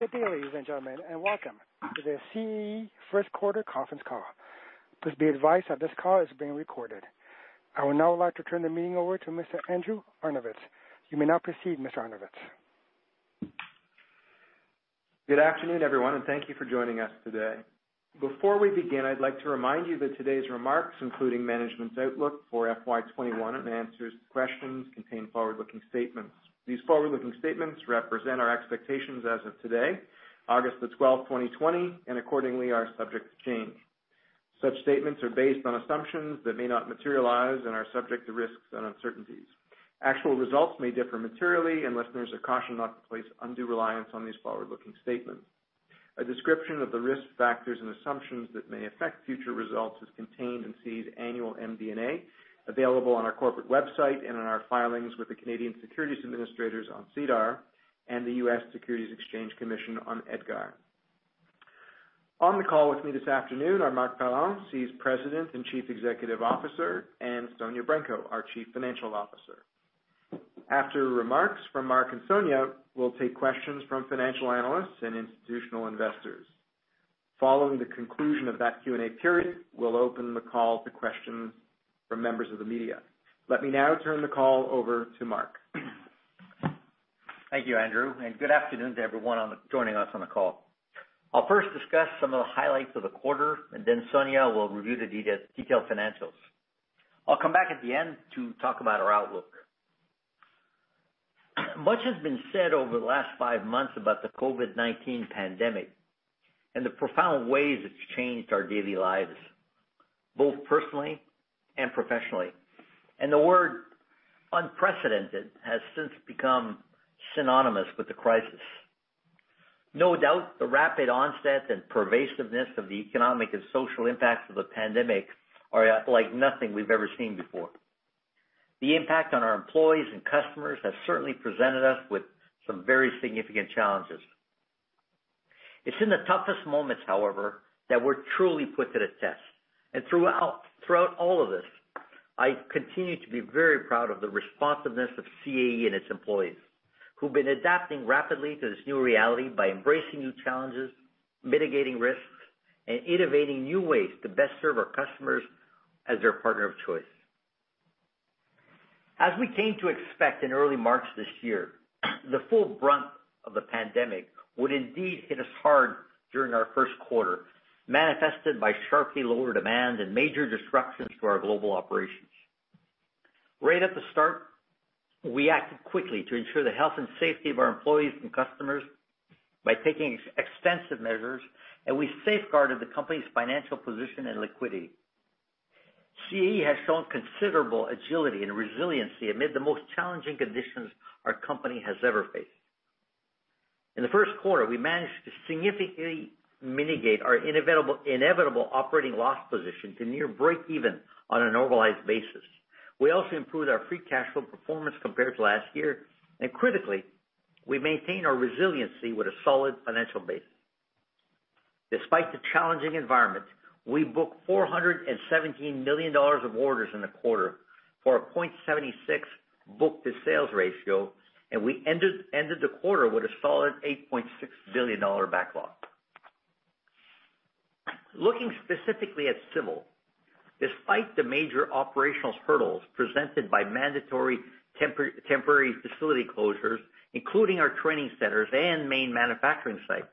Good day, ladies and gentlemen, and welcome to the CAE first quarter conference call. Please be advised that this call is being recorded. I would now like to turn the meeting over to Mr. Andrew Arnovitz. You may now proceed, Mr. Arnovitz. Good afternoon, everyone, and thank you for joining us today. Before we begin, I'd like to remind you that today's remarks, including management's outlook for FY 2021 and answers to questions, contain forward-looking statements. These forward-looking statements represent our expectations as of today, August the 12th, 2020, and accordingly are subject to change. Such statements are based on assumptions that may not materialize and are subject to risks and uncertainties. Actual results may differ materially, and listeners are cautioned not to place undue reliance on these forward-looking statements. A description of the risk factors and assumptions that may affect future results is contained in CAE's annual MD&A, available on our corporate website and in our filings with the Canadian Securities Administrators on SEDAR and the U.S. Securities Exchange Commission on EDGAR. On the call with me this afternoon are Marc Parent, CAE's President and Chief Executive Officer, and Sonya Branco, our Chief Financial Officer. After remarks from Marc and Sonya, we'll take questions from financial analysts and institutional investors. Following the conclusion of that Q&A period, we'll open the call to questions from members of the media. Let me now turn the call over to Marc. Thank you, Andrew, and good afternoon to everyone joining us on the call. I'll first discuss some of the highlights of the quarter, and then Sonya will review the detailed financials. I'll come back at the end to talk about our outlook. Much has been said over the last five months about the COVID-19 pandemic and the profound ways it's changed our daily lives, both personally and professionally, and the word unprecedented has since become synonymous with the crisis. No doubt the rapid onset and pervasiveness of the economic and social impacts of the pandemic are like nothing we've ever seen before. The impact on our employees and customers has certainly presented us with some very significant challenges. It's in the toughest moments, however, that we're truly put to the test. Throughout all of this, I continue to be very proud of the responsiveness of CAE and its employees who've been adapting rapidly to this new reality by embracing new challenges, mitigating risks, and innovating new ways to best serve our customers as their partner of choice. As we came to expect in early March this year, the full brunt of the pandemic would indeed hit us hard during our first quarter, manifested by sharply lower demand and major disruptions to our global operations. Right at the start, we acted quickly to ensure the health and safety of our employees and customers by taking extensive measures, and we safeguarded the company's financial position and liquidity. CAE has shown considerable agility and resiliency amid the most challenging conditions our company has ever faced. In the first quarter, we managed to significantly mitigate our inevitable operating loss position to near breakeven on a normalized basis. We also improved our free cash flow performance compared to last year, and critically, we maintained our resiliency with a solid financial base. Despite the challenging environment, we booked 417 million dollars of orders in the quarter for a 0.76 book-to-sales ratio, and we ended the quarter with a solid 8.6 billion dollar backlog. Looking specifically at civil, despite the major operational hurdles presented by mandatory temporary facility closures, including our training centers and main manufacturing site,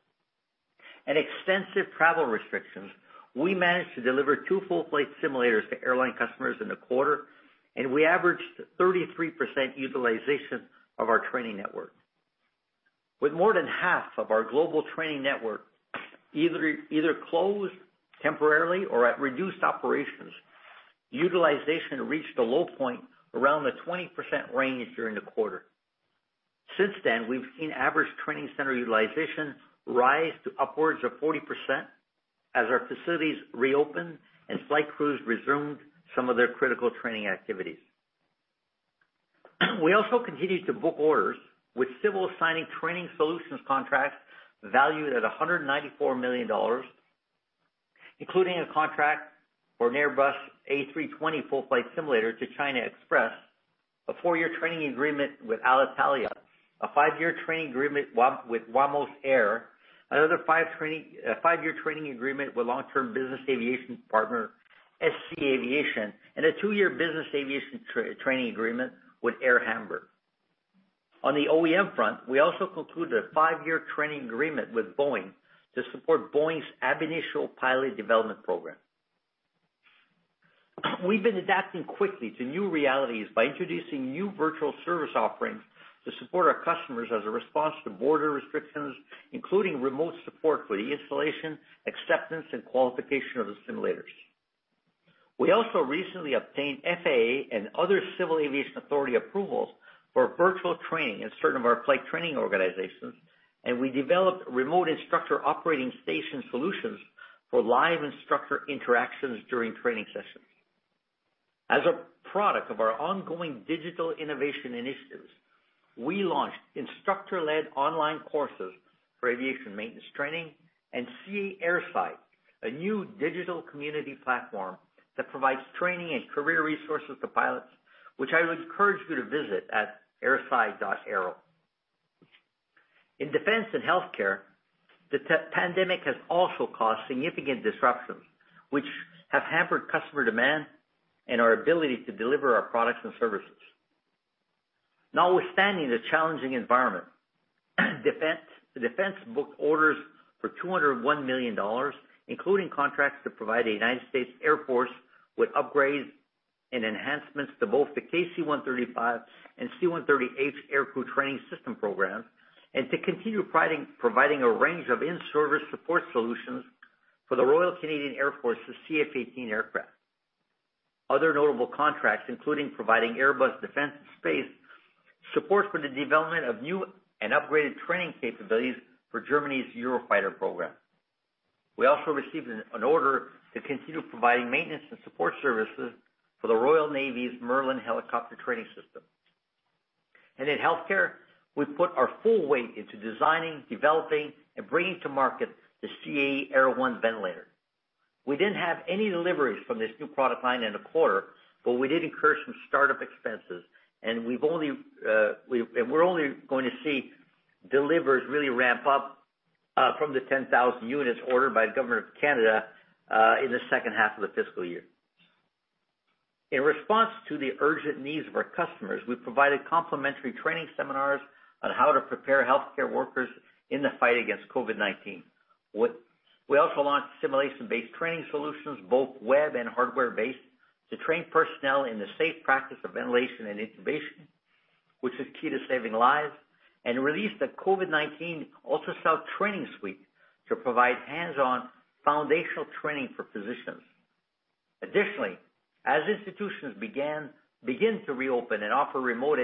and extensive travel restrictions, we managed to deliver two full flight simulators to airline customers in the quarter, and we averaged 33% utilization of our training network. With more than half of our global training network either closed temporarily or at reduced operations, utilization reached a low point around the 20% range during the quarter. Since then, we've seen average training center utilization rise to upwards of 40% as our facilities reopened and flight crews resumed some of their critical training activities. We also continued to book orders, with civil signing training solutions contracts valued at 194 million dollars, including a contract for an Airbus A320 full flight simulator to China Express, a four-year training agreement with Alitalia, a five-year training agreement with Wamos Air, another five-year training agreement with long-term business aviation partner SC Aviation, and a two-year business aviation training agreement with Air Hamburg. On the OEM front, we also concluded a five-year training agreement with Boeing to support Boeing's ab initio pilot development program. We've been adapting quickly to new realities by introducing new virtual service offerings to support our customers as a response to border restrictions, including remote support for the installation, acceptance, and qualification of the simulators. We also recently obtained FAA and other civil aviation authority approvals for virtual training in certain of our flight training organizations, and we developed remote instructor operating station solutions for live instructor interactions during training sessions. As a product of our ongoing digital innovation initiatives, we launched instructor-led online courses for aviation maintenance training and CAE Airside, a new digital community platform that provides training and career resources to pilots, which I would encourage you to visit at airside.aero. In defense and healthcare, the pandemic has also caused significant disruptions, which have hampered customer demand and our ability to deliver our products and services. Notwithstanding the challenging environment, defense booked orders for 201 million dollars, including contracts to provide the United States Air Force with upgrades and enhancements to both the KC-135 and C-138 aircrew training system programs, and to continue providing a range of in-service support solutions for the Royal Canadian Air Force's CF-18 aircraft. Other notable contracts including providing Airbus Defence and Space support for the development of new and upgraded training capabilities for Germany's Eurofighter program. We also received an order to continue providing maintenance and support services for the Royal Navy's Merlin helicopter training system. In healthcare, we've put our full weight into designing, developing, and bringing to market the CAE Air1 ventilator. We didn't have any deliveries from this new product line in the quarter, but we did incur some startup expenses, and we're only going to see deliveries really ramp up from the 10,000 units ordered by the Government of Canada in the second half of the fiscal year. In response to the urgent needs of our customers, we provided complimentary training seminars on how to prepare healthcare workers in the fight against COVID-19. We also launched simulation-based training solutions, both web and hardware-based, to train personnel in the safe practice of ventilation and intubation, which is key to saving lives, and released a COVID-19 Ultrasound Training Suite to provide hands-on foundational training for physicians. Additionally, as institutions begin to reopen and offer remote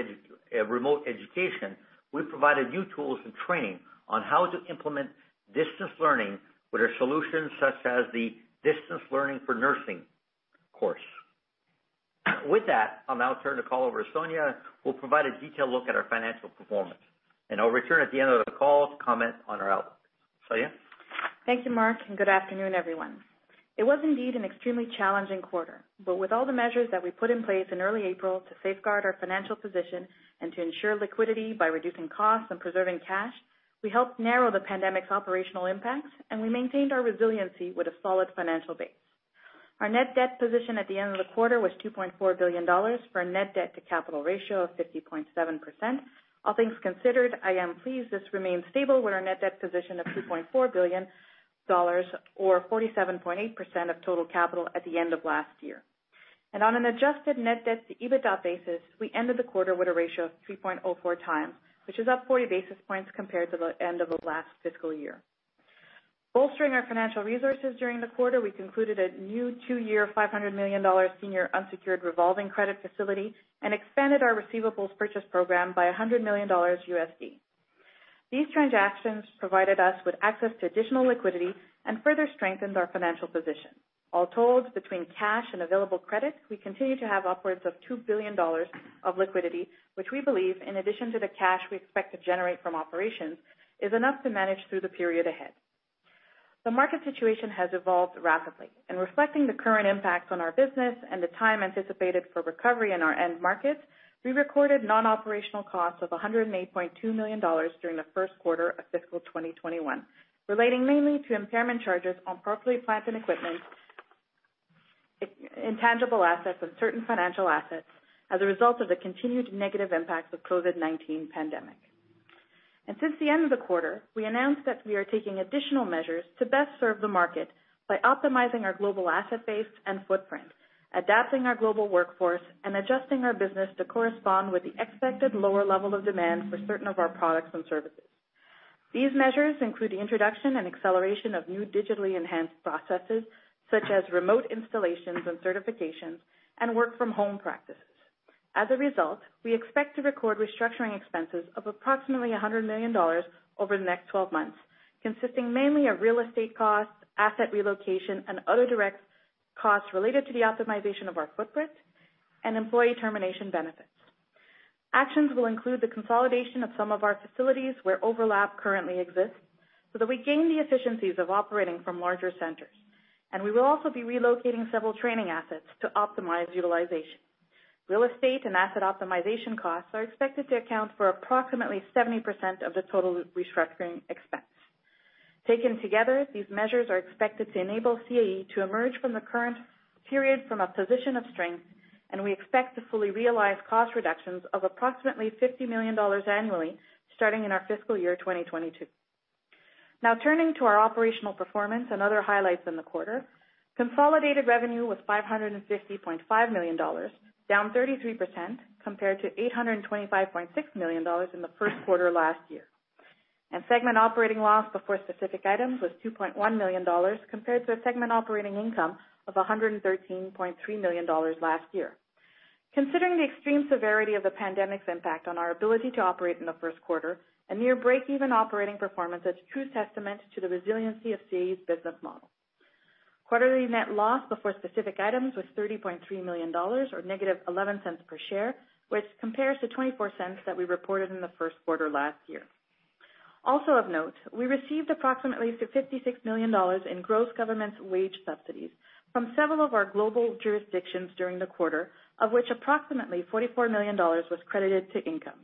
education, we provided new tools and training on how to implement distance learning with our solutions such as the Distance Learning for Nursing course. With that, I'll now turn the call over to Sonya, who will provide a detailed look at our financial performance. I'll return at the end of the call to comment on our outlook. Sonya? Thank you, Marc, and good afternoon, everyone. It was indeed an extremely challenging quarter, but with all the measures that we put in place in early April to safeguard our financial position and to ensure liquidity by reducing costs and preserving cash, we helped narrow the pandemic's operational impacts, and we maintained our resiliency with a solid financial base. Our net debt position at the end of the quarter was 2.4 billion dollars for a net debt to capital ratio of 50.7%. All things considered, I am pleased this remains stable with our net debt position of 2.4 billion dollars or 47.8% of total capital at the end of last year. On an adjusted net debt to EBITDA basis, we ended the quarter with a ratio of 3.04x, which is up 40 basis points compared to the end of the last fiscal year. Bolstering our financial resources during the quarter, we concluded a new two-year, 500 million dollar senior unsecured revolving credit facility and expanded our receivables purchase program by $100 million USD. These transactions provided us with access to additional liquidity and further strengthened our financial position. All told, between cash and available credit, we continue to have upwards of 2 billion dollars of liquidity, which we believe, in addition to the cash we expect to generate from operations, is enough to manage through the period ahead. The market situation has evolved rapidly, and reflecting the current impact on our business and the time anticipated for recovery in our end markets, we recorded non-operational costs of 108.2 million dollars during the first quarter of fiscal 2021, relating mainly to impairment charges on property, plant, and equipment, intangible assets, and certain financial assets as a result of the continued negative impacts of COVID-19 pandemic. Since the end of the quarter, we announced that we are taking additional measures to best serve the market by optimizing our global asset base and footprint, adapting our global workforce, and adjusting our business to correspond with the expected lower level of demand for certain of our products and services. These measures include the introduction and acceleration of new digitally enhanced processes, such as remote installations and certifications and work from home practices. As a result, we expect to record restructuring expenses of approximately 100 million dollars over the next 12 months, consisting mainly of real estate costs, asset relocation, and other direct costs related to the optimization of our footprint and employee termination benefits. Actions will include the consolidation of some of our facilities where overlap currently exists so that we gain the efficiencies of operating from larger centers. We will also be relocating several training assets to optimize utilization. Real estate and asset optimization costs are expected to account for approximately 70% of the total restructuring expense. Taken together, these measures are expected to enable CAE to emerge from the current period from a position of strength, and we expect to fully realize cost reductions of approximately 50 million dollars annually starting in our fiscal year 2022. Turning to our operational performance and other highlights in the quarter. Consolidated revenue was 550.5 million dollars, down 33% compared to 825.6 million dollars in the first quarter last year. Segment operating loss before specific items was 2.1 million dollars compared to a segment operating income of 113.3 million dollars last year. Considering the extreme severity of the pandemic's impact on our ability to operate in the first quarter, a near break-even operating performance is true testament to the resiliency of CAE's business model. Quarterly net loss before specific items was CAD 30.3 million, or negative 0.11 per share, which compares to 0.24 that we reported in the first quarter last year. Of note, we received approximately CAD 56 million in gross government wage subsidies from several of our global jurisdictions during the quarter, of which approximately 44 million dollars was credited to income.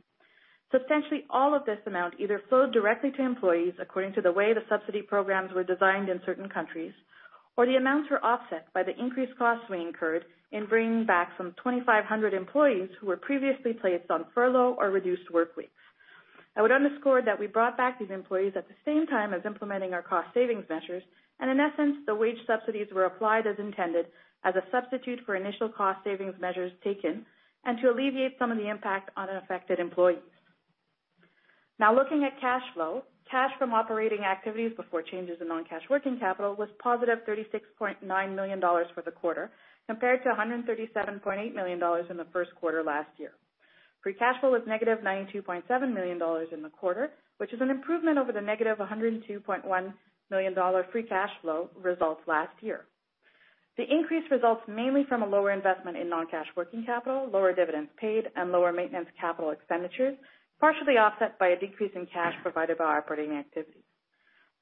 Substantially all of this amount either flowed directly to employees according to the way the subsidy programs were designed in certain countries, or the amounts were offset by the increased costs we incurred in bringing back some 2,500 employees who were previously placed on furlough or reduced workweeks. I would underscore that we brought back these employees at the same time as implementing our cost savings measures, and in essence, the wage subsidies were applied as intended as a substitute for initial cost savings measures taken and to alleviate some of the impact on affected employees. Now, looking at cash flow. Cash from operating activities before changes in non-cash working capital was positive 36.9 million dollars for the quarter, compared to 137.8 million dollars in the first quarter last year. Free cash flow was negative 92.7 million dollars in the quarter, which is an improvement over the negative 102.1 million dollar free cash flow results last year. The increase results mainly from a lower investment in non-cash working capital, lower dividends paid, and lower maintenance capital expenditures, partially offset by a decrease in cash provided by our operating activities.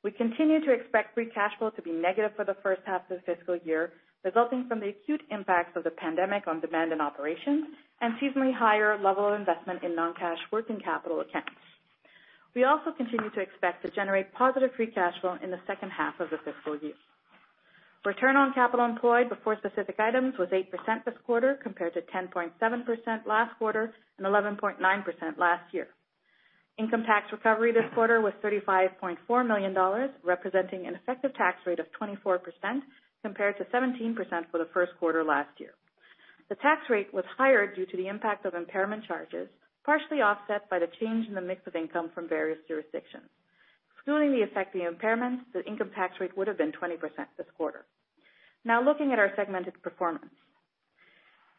We continue to expect free cash flow to be negative for the first half of the fiscal year, resulting from the acute impacts of the pandemic on demand and operations and seasonally higher level of investment in non-cash working capital accounts. We also continue to expect to generate positive free cash flow in the second half of the fiscal year. Return on capital employed before specific items was 8% this quarter, compared to 10.7% last quarter and 11.9% last year. Income tax recovery this quarter was 35.4 million dollars, representing an effective tax rate of 24%, compared to 17% for the first quarter last year. The tax rate was higher due to the impact of impairment charges, partially offset by the change in the mix of income from various jurisdictions. Excluding the effect of the impairments, the income tax rate would have been 20% this quarter. Now, looking at our segmented performance.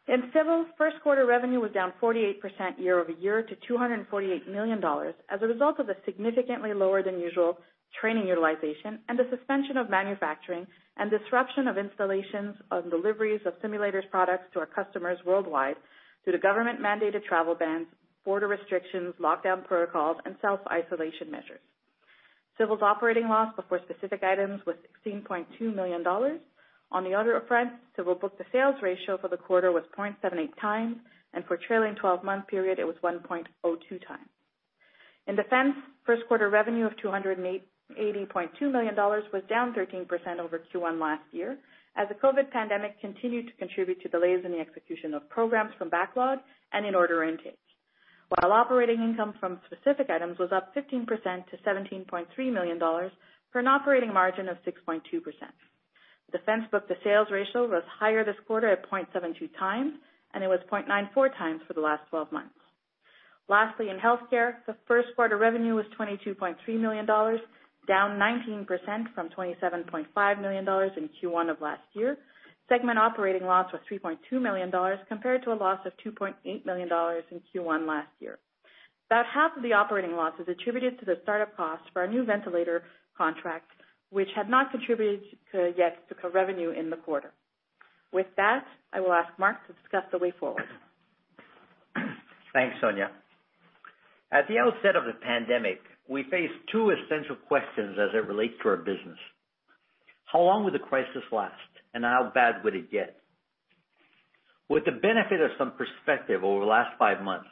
In Civil, first quarter revenue was down 48% year-over-year to 248 million dollars as a result of a significantly lower than usual training utilization and the suspension of manufacturing and disruption of installations and deliveries of simulators products to our customers worldwide due to government-mandated travel bans, border restrictions, lockdown protocols, and self-isolation measures. Civil's operating loss before specific items was 16.2 million dollars. On the order front, Civil book-to-sales ratio for the quarter was 0.78x, and for trailing 12-month period, it was 1.02x. In Defense, first quarter revenue of 280.2 million dollars was down 13% over Q1 last year, as the COVID pandemic continued to contribute to delays in the execution of programs from backlog and in order intake. While operating income from specific items was up 15% to 17.3 million dollars for an operating margin of 6.2%. Defense book-to-sales ratio was higher this quarter at 0.72x. It was 0.94x for the last 12 months. Lastly, in healthcare, the first quarter revenue was 22.3 million dollars, down 19% from 27.5 million dollars in Q1 of last year. Segment operating loss was 3.2 million dollars compared to a loss of 2.8 million dollars in Q1 last year. About half of the operating loss is attributed to the start-up cost for our new ventilator contract, which had not contributed yet to revenue in the quarter. With that, I will ask Marc to discuss the way forward. Thanks, Sonya. At the outset of the pandemic, we faced two essential questions as it relates to our business. How long would the crisis last, and how bad would it get? With the benefit of some perspective over the last five months,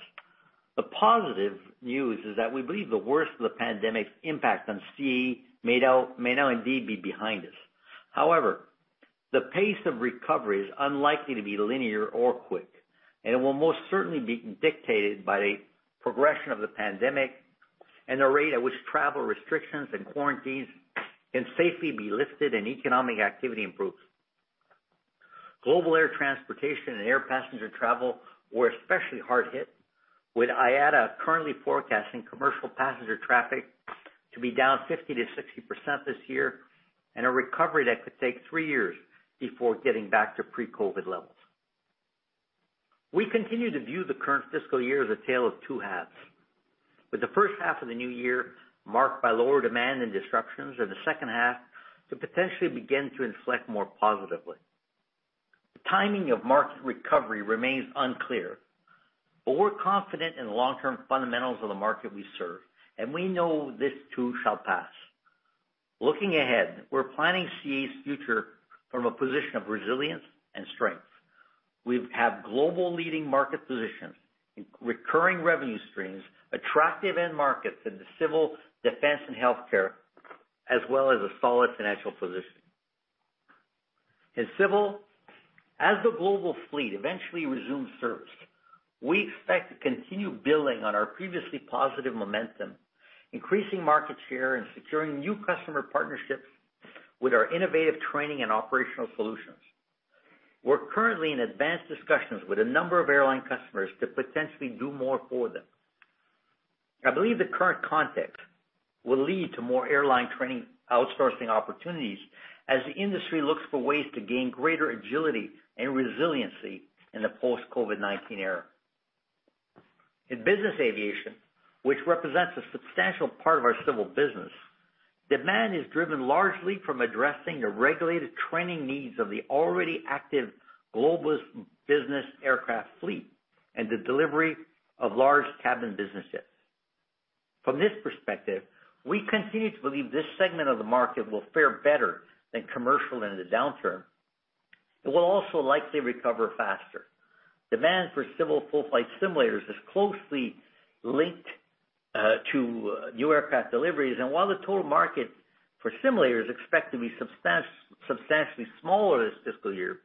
the positive news is that we believe the worst of the pandemic's impact on CAE may now indeed be behind us. However, the pace of recovery is unlikely to be linear or quick, and it will most certainly be dictated by the progression of the pandemic and the rate at which travel restrictions and quarantines can safely be lifted and economic activity improves. Global air transportation and air passenger travel were especially hard hit, with IATA currently forecasting commercial passenger traffic to be down 50%-60% this year and a recovery that could take three years before getting back to pre-COVID levels. We continue to view the current fiscal year as a tale of two halves, with the first half of the new year marked by lower demand and disruptions and the second half to potentially begin to inflect more positively. The timing of market recovery remains unclear. We're confident in the long-term fundamentals of the market we serve. We know this too shall pass. Looking ahead, we're planning CAE's future from a position of resilience and strength. We have global leading market positions, recurring revenue streams, attractive end markets in the civil defense and healthcare, as well as a solid financial position. In civil, as the global fleet eventually resumes service, we expect to continue building on our previously positive momentum, increasing market share, and securing new customer partnerships with our innovative training and operational solutions. We're currently in advanced discussions with a number of airline customers to potentially do more for them. I believe the current context will lead to more airline training outsourcing opportunities as the industry looks for ways to gain greater agility and resiliency in the post-COVID-19 era. In business aviation, which represents a substantial part of our civil business. Demand is driven largely from addressing the regulated training needs of the already active global business aircraft fleet and the delivery of large-cabin business jets. From this perspective, we continue to believe this segment of the market will fare better than commercial in the downturn. It will also likely recover faster. Demand for civil full-flight simulators is closely linked to new aircraft deliveries, and while the total market for simulators is expected to be substantially smaller this fiscal year,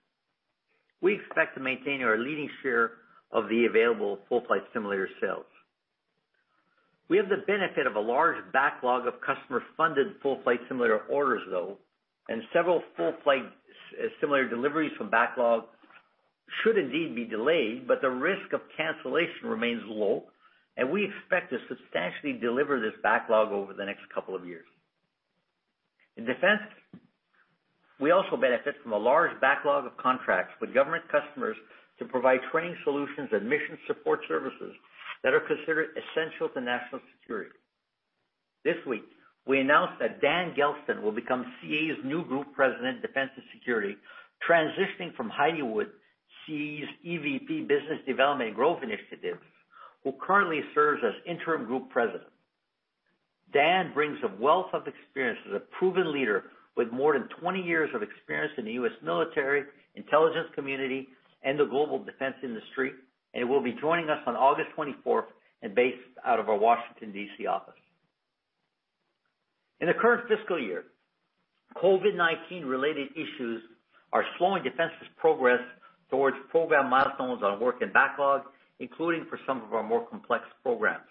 we expect to maintain our leading share of the available full-flight simulator sales. We have the benefit of a large backlog of customer-funded full flight simulator orders, though, and several full flight simulator deliveries from backlog should indeed be delayed, but the risk of cancellation remains low, and we expect to substantially deliver this backlog over the next couple of years. In defense, we also benefit from a large backlog of contracts with government customers to provide training solutions and mission support services that are considered essential to national security. This week, we announced that Dan Gelston will become CAE's new Group President, Defense & Security, transitioning from Heidi Wood, CAE's Executive Vice President, Business Development and Growth Initiatives, who currently serves as Interim Group President. Dan brings a wealth of experience as a proven leader with more than 20 years of experience in the U.S. military, intelligence community, and the global Defense industry, and will be joining us on August 24th and based out of our Washington, D.C. office. In the current fiscal year, COVID-19-related issues are slowing Defense's progress towards program milestones on work and backlog, including for some of our more complex programs.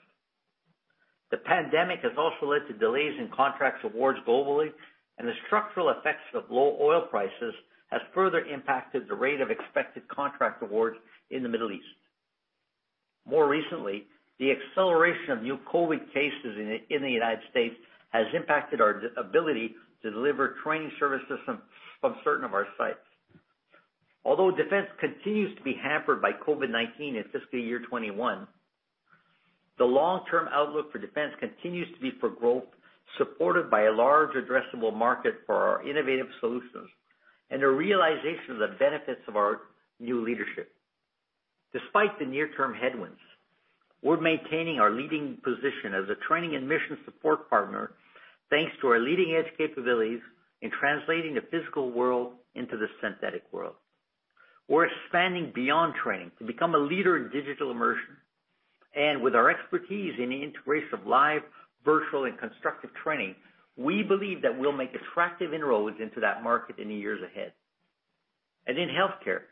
The pandemic has also led to delays in contracts awards globally. The structural effects of low oil prices has further impacted the rate of expected contract awards in the Middle East. More recently, the acceleration of new COVID cases in the United States has impacted our ability to deliver training services from certain of our sites. Although Defense continues to be hampered by COVID-19 in fiscal year 2021, the long-term outlook for Defense continues to be for growth, supported by a large addressable market for our innovative solutions and a realization of the benefits of our new leadership. Despite the near-term headwinds, we're maintaining our leading position as a training and mission support partner, thanks to our leading-edge capabilities in translating the physical world into the synthetic world. We're expanding beyond training to become a leader in digital immersion. With our expertise in the integration of live, virtual, and constructive training, we believe that we'll make attractive inroads into that market in the years ahead. In healthcare,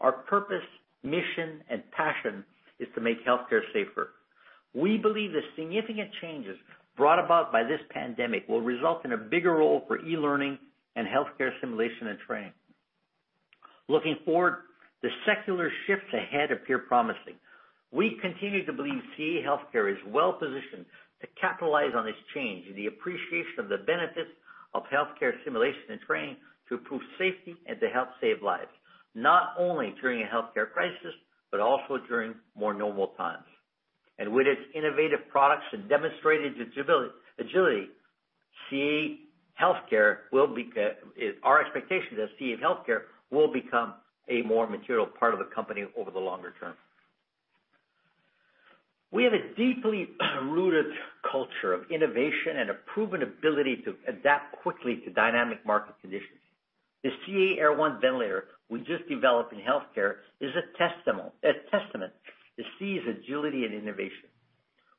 our purpose, mission, and passion is to make healthcare safer. We believe the significant changes brought about by this pandemic will result in a bigger role for e-learning and healthcare simulation and training. Looking forward, the secular shifts ahead appear promising. We continue to believe CAE Healthcare is well-positioned to capitalize on this change in the appreciation of the benefits of healthcare simulation and training to improve safety and to help save lives, not only during a healthcare crisis, but also during more normal times. With its innovative products and demonstrated agility, our expectation is that CAE Healthcare will become a more material part of the company over the longer term. We have a deeply rooted culture of innovation and a proven ability to adapt quickly to dynamic market conditions. The CAE Air1 ventilator we just developed in healthcare is a testament to CAE's agility and innovation.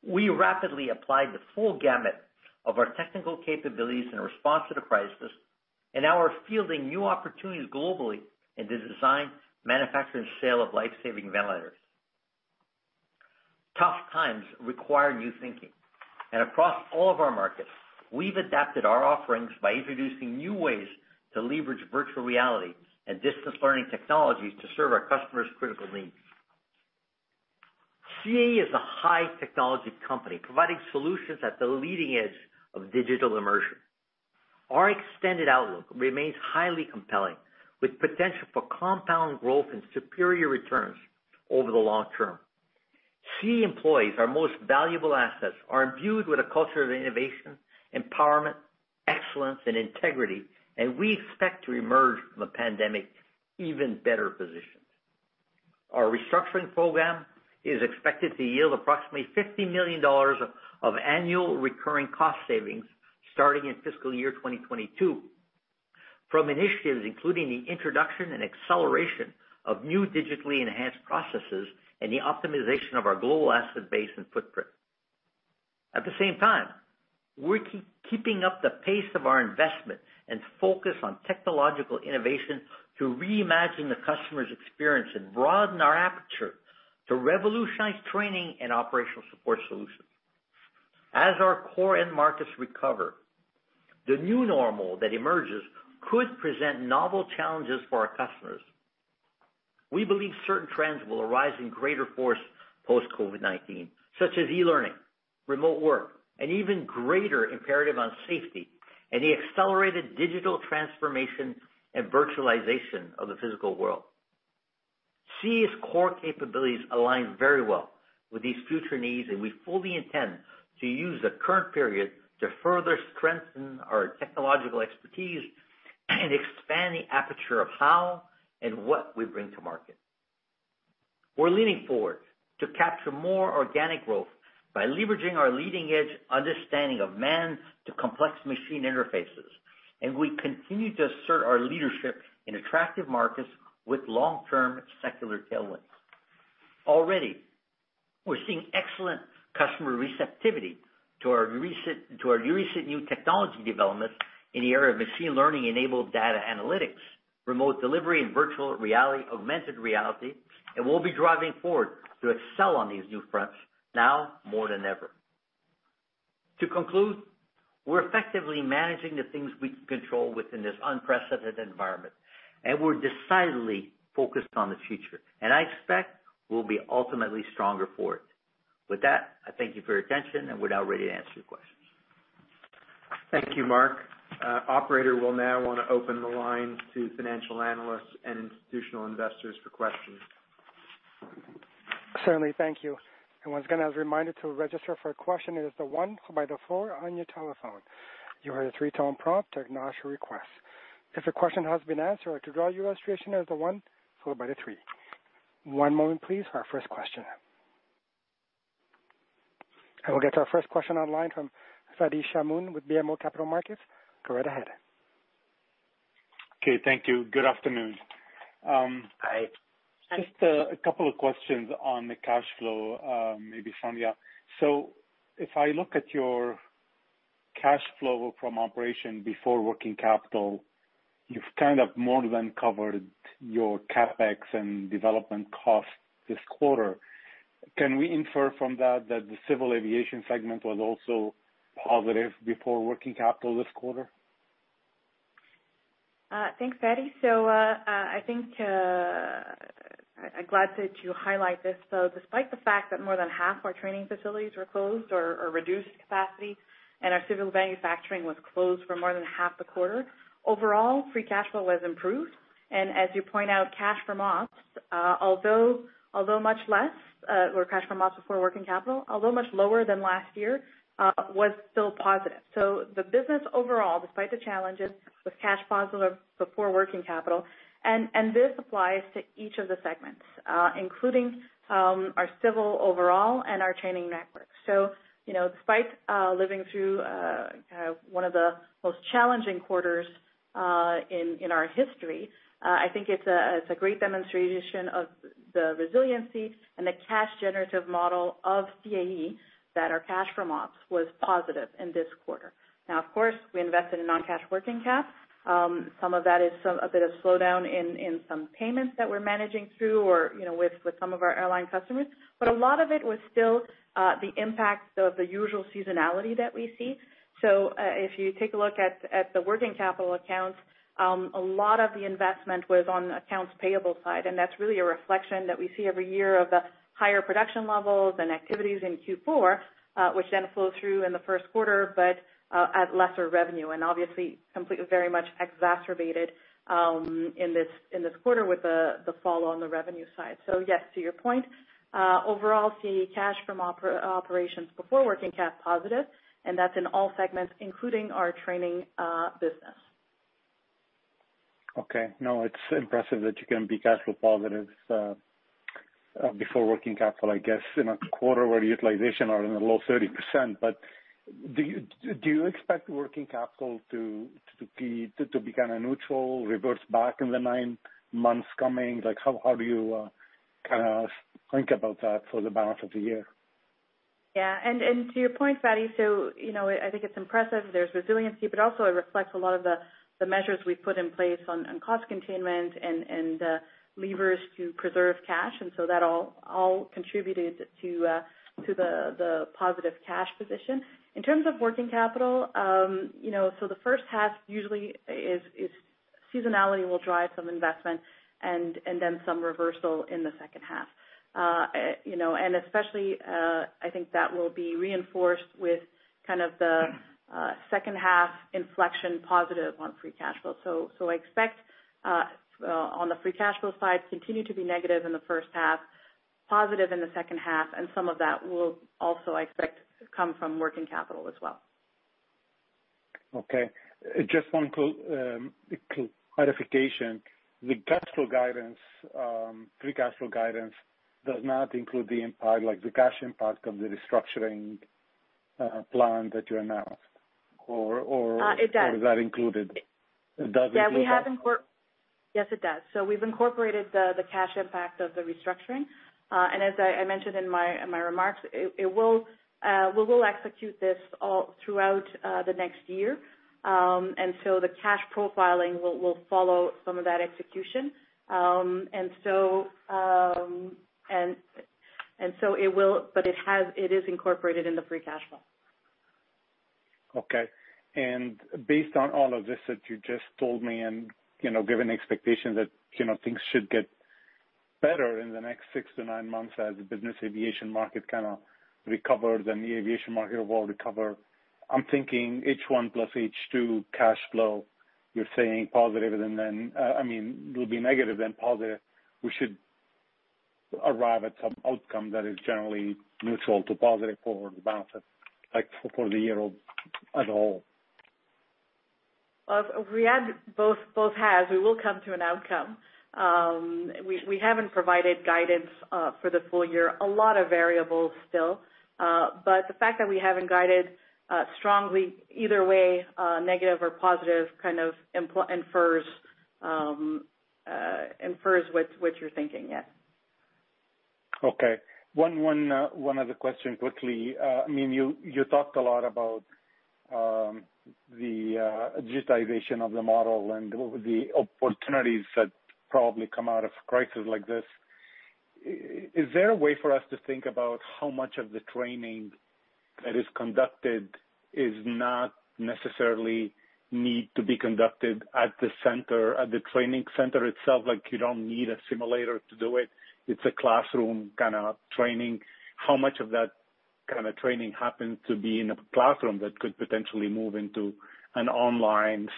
We rapidly applied the full gamut of our technical capabilities in response to the crisis and now are fielding new opportunities globally in the design, manufacturing, and sale of life-saving ventilators. Tough times require new thinking, and across all of our markets, we've adapted our offerings by introducing new ways to leverage virtual reality and distance learning technologies to serve our customers' critical needs. CAE is a high-technology company providing solutions at the leading edge of digital immersion. Our extended outlook remains highly compelling, with potential for compound growth and superior returns over the long term. CAE employees, our most valuable assets, are imbued with a culture of innovation, empowerment, excellence, and integrity, and we expect to emerge from the pandemic even better positioned. Our restructuring program is expected to yield approximately 50 million dollars of annual recurring cost savings starting in fiscal year 2022 from initiatives including the introduction and acceleration of new digitally enhanced processes and the optimization of our global asset base and footprint. At the same time, we're keeping up the pace of our investment and focus on technological innovation to reimagine the customer's experience and broaden our aperture to revolutionize training and operational support solutions. As our core end markets recover, the new normal that emerges could present novel challenges for our customers. We believe certain trends will arise in greater force post-COVID-19, such as e-learning, remote work, an even greater imperative on safety, and the accelerated digital transformation and virtualization of the physical world. CAE's core capabilities align very well with these future needs, and we fully intend to use the current period to further strengthen our technological expertise and expand the aperture of how and what we bring to market. We're leaning forward to capture more organic growth by leveraging our leading-edge understanding of man to complex machine interfaces, and we continue to assert our leadership in attractive markets with long-term secular tailwinds. Already, we're seeing excellent customer receptivity to our recent new technology developments in the area of machine learning-enabled data analytics, remote delivery, and virtual reality, augmented reality, and we'll be driving forward to excel on these new fronts now more than ever. To conclude, we're effectively managing the things we can control within this unprecedented environment, and we're decidedly focused on the future. I expect we'll be ultimately stronger for it. With that, I thank you for your attention, and we're now ready to answer your questions. Thank you, Marc. Operator, we'll now want to open the lines to financial analysts and institutional investors for questions. Certainly. Thank you. Once again, as a reminder to register for a question, it is the one followed by the four on your telephone. You will hear a three-tone prompt to acknowledge your request. If your question has been answered or to withdraw your request, you press the one followed by the three. One moment please for our first question. I will get to our first question online from Fadi Chamoun with BMO Capital Markets. Go right ahead. Okay. Thank you. Good afternoon. Hi. Just a couple of questions on the cash flow, maybe Sonya. If I look at your cash flow from operation before working capital, you've kind of more than covered your CapEx and development costs this quarter. Can we infer from that that the Civil Aviation segment was also positive before working capital this quarter? Thanks, Fadi. I think I'm glad that you highlight this. Despite the fact that more than half our training facilities were closed or reduced capacity and our civil manufacturing was closed for more than half the quarter, overall free cash flow was improved. As you point out, cash from ops, although much less, or cash from ops before working capital, although much lower than last year, was still positive. The business overall, despite the challenges, was cash positive before working capital. This applies to each of the segments, including our civil overall and our training networks. Despite living through one of the most challenging quarters in our history, I think it is a great demonstration of the resiliency and the cash generative model of CAE that our cash from ops was positive in this quarter. Now, of course, we invested in non-cash working capital. Some of that is a bit of slowdown in some payments that we're managing through or with some of our airline customers. A lot of it was still the impact of the usual seasonality that we see. If you take a look at the working capital accounts, a lot of the investment was on the accounts payable side, and that's really a reflection that we see every year of the higher production levels and activities in Q4, which then flow through in the first quarter, but at lesser revenue and obviously completely very much exacerbated in this quarter with the fall on the revenue side. Yes, to your point, overall CAE cash from operations before working cap positive, and that's in all segments, including our training business. Okay. It's impressive that you can be cash flow positive before working capital, I guess, in a quarter where utilization are in the low 30%. Do you expect working capital to be kind of neutral, reverse back in the nine months coming? How do you think about that for the balance of the year? Yeah. To your point, Fadi, I think it's impressive there's resiliency, but also it reflects a lot of the measures we've put in place on cost containment and levers to preserve cash. That all contributed to the positive cash position. In terms of working capital, the first half usually seasonality will drive some investment and then some reversal in the second half. Especially, I think that will be reinforced with kind of the second half inflection positive on free cash flow. I expect on the free cash flow side, continue to be negative in the first half, positive in the second half, and some of that will also, I expect, come from working capital as well. Okay. Just one clarification. The cash flow guidance, free cash flow guidance does not include the impact, like the cash impact of the restructuring plan that you announced, or. It does Is that included? Does it include that? Yes, it does. We've incorporated the cash impact of the restructuring. As I mentioned in my remarks, we will execute this all throughout the next year. The cash profiling will follow some of that execution. It is incorporated in the free cash flow. Okay. Based on all of this that you just told me and given the expectation that things should get better in the next six to nine months as the business aviation market kind of recovers and the aviation market will recover, I'm thinking H1 plus H2 cash flow. I mean, will be negative then positive, we should arrive at some outcome that is generally neutral to positive for the balance of, like, for the year at all? We had both halves. We will come to an outcome. We haven't provided guidance for the full year. A lot of variables still. The fact that we haven't guided strongly either way, negative or positive, kind of infers what you're thinking, yes. Okay. One other question quickly. You talked a lot about the digitization of the model and the opportunities that probably come out of a crisis like this. Is there a way for us to think about how much of the training that is conducted does not necessarily need to be conducted at the training center itself? Like, you don't need a simulator to do it. It's a classroom kind of training. How much of that kind of training happens to be in a classroom that could potentially move into an online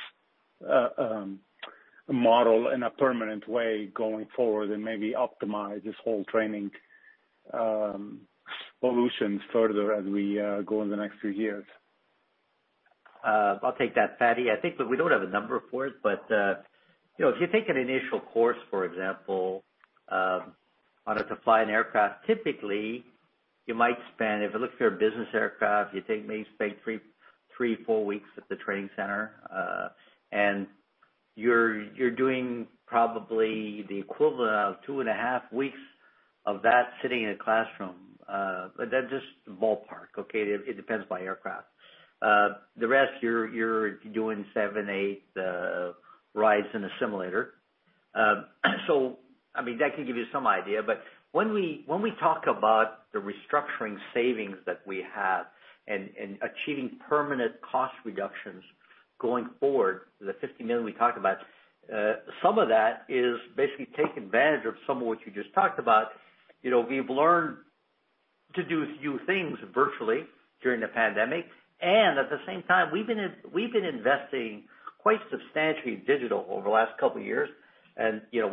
model in a permanent way going forward and maybe optimize this whole training solutions further as we go in the next few years? I'll take that, Fadi. I think that we don't have a number for it. If you take an initial course, for example, on how to fly an aircraft, typically, you might spend, if it looks for a business aircraft, you take maybe spend three-four weeks at the training center. You're doing probably the equivalent of two and a half weeks of that sitting in a classroom. That's just ballpark, okay? It depends by aircraft. The rest, you're doing seven-eight rides in a simulator. I mean, that can give you some idea. When we talk about the restructuring savings that we have and achieving permanent cost reductions going forward, the 50 million we talked about, some of that is basically taking advantage of some of what you just talked about. We've learned to do a few things virtually during the pandemic. At the same time, we've been investing quite substantially in digital over the last couple of years.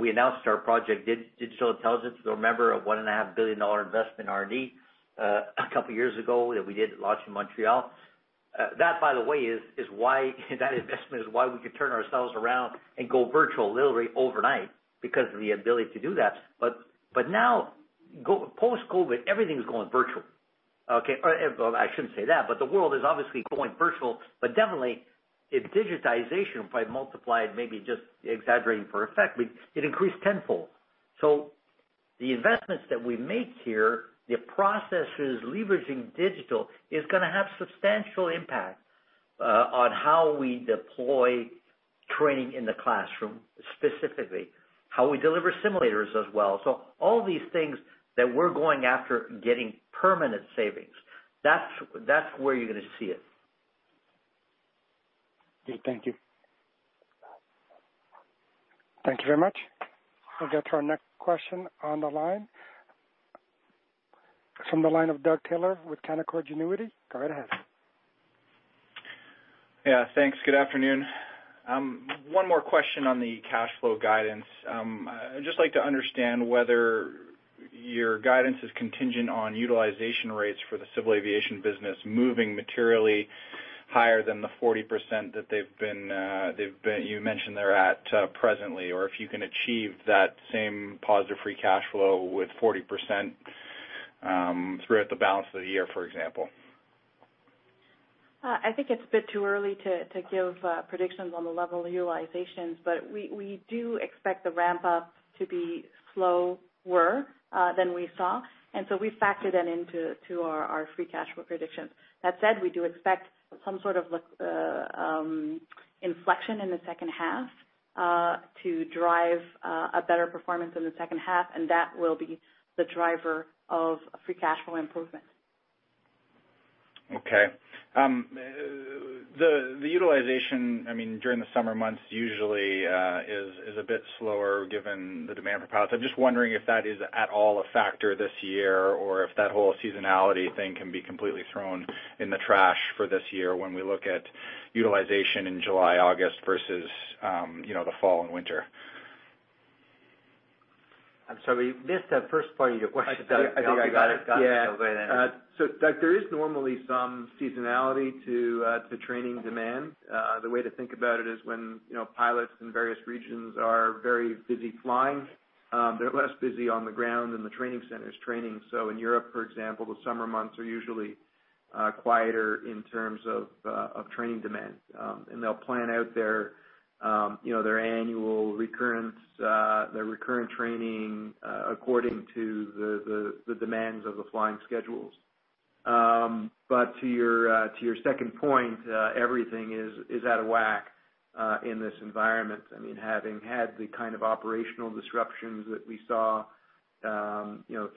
We announced our Project Digital Intelligence. You'll remember a 1.5 billion dollar investment in R&D a couple of years ago that we did, launched in Montreal. That investment is why we could turn ourselves around and go virtual literally overnight, because of the ability to do that. Now, post-COVID, everything's going virtual. Okay. I shouldn't say that. The world is obviously going virtual. Definitely, if digitization, if I multiply it, maybe just exaggerating for effect, it increased tenfold. The investments that we make here, the processes leveraging digital, is going to have substantial impact on how we deploy training in the classroom, specifically. How we deliver simulators as well. All these things that we're going after, getting permanent savings, that's where you're going to see it. Okay, thank you. Thank you very much. We'll get to our next question on the line. From the line of Doug Taylor with Canaccord Genuity. Go right ahead. Yeah, thanks. Good afternoon. One more question on the cash flow guidance. I'd just like to understand whether your guidance is contingent on utilization rates for the civil aviation business moving materially higher than the 40% that you mentioned they're at presently, or if you can achieve that same positive free cash flow with 40% throughout the balance of the year, for example. I think it's a bit too early to give predictions on the level of utilizations, but we do expect the ramp-up to be slower than we saw, and so we factored that into our free cash flow predictions. That said, we do expect some sort of inflection in the second half to drive a better performance in the second half, and that will be the driver of free cash flow improvement. The utilization during the summer months usually is a bit slower given the demand for pilots. I am just wondering if that is at all a factor this year, or if that whole seasonality thing can be completely thrown in the trash for this year when we look at utilization in July, August versus the fall and winter. I'm sorry. We missed that first part of your question, Doug. I think I got it. Doug, there is normally some seasonality to training demand. The way to think about it is when pilots in various regions are very busy flying, they're less busy on the ground in the training centers training. In Europe, for example, the summer months are usually quieter in terms of training demand. They'll plan out their annual recurrence, their recurrent training according to the demands of the flying schedules. To your second point, everything is out of whack in this environment. Having had the kind of operational disruptions that we saw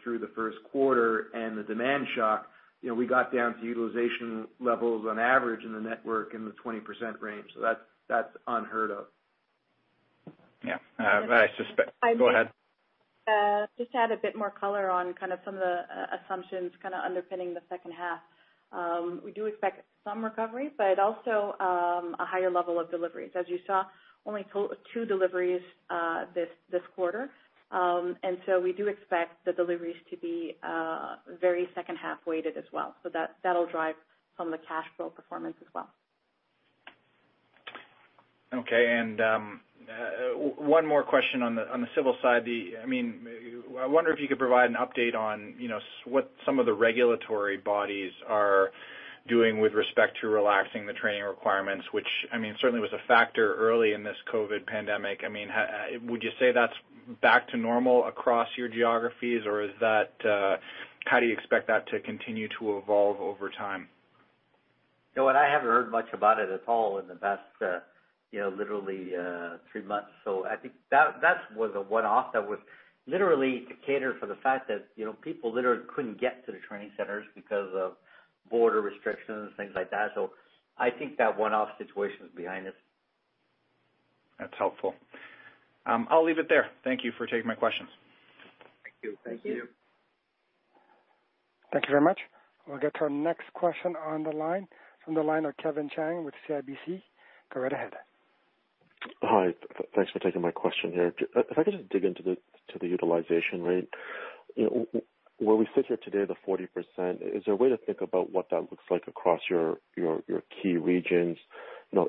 through the first quarter and the demand shock, we got down to utilization levels on average in the network in the 20% range. That's unheard of. Yeah. I suspect, go ahead. Just to add a bit more color on some of the assumptions underpinning the second half. We do expect some recovery, but also a higher level of deliveries. As you saw, only two deliveries this quarter. We do expect the deliveries to be very second-half weighted as well. That'll drive some of the cash flow performance as well. Okay. One more question on the civil side. I wonder if you could provide an update on what some of the regulatory bodies are doing with respect to relaxing the training requirements, which certainly was a factor early in this COVID pandemic. Would you say that's back to normal across your geographies, or how do you expect that to continue to evolve over time? I haven't heard much about it at all in the past literally three months. I think that was a one-off that was literally to cater for the fact that people literally couldn't get to the training centers because of border restrictions, things like that. I think that one-off situation is behind us. That's helpful. I'll leave it there. Thank you for taking my questions. Thank you. Thank you. Thank you. Thank you very much. We'll get to our next question on the line from the line of Kevin Chiang with CIBC. Go right ahead. Hi. Thanks for taking my question here. If I could just dig into the utilization rate. Where we sit here today, the 40%, is there a way to think about what that looks like across your key regions,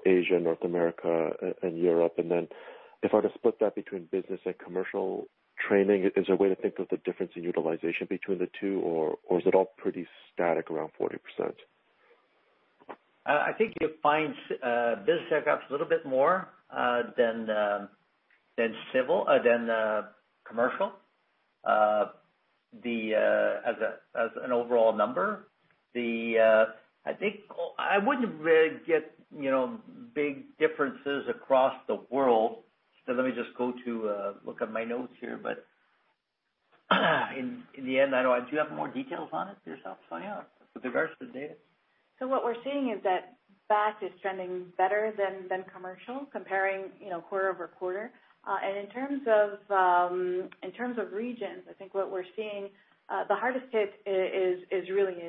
Asia, North America, and Europe? If I were to split that between business and commercial training, is there a way to think of the difference in utilization between the two, or is it all pretty static around 40%? I think you'll find business aircraft a little bit more than commercial as an overall number. I wouldn't really get big differences across the world. Let me just go to look at my notes here. In the end, I don't know. Do you have more details on it yourself, Sonya, with regards to the data? What we're seeing is that Defense is trending better than commercial, comparing quarter-over-quarter. In terms of regions, I think what we're seeing, the hardest hit is Europe.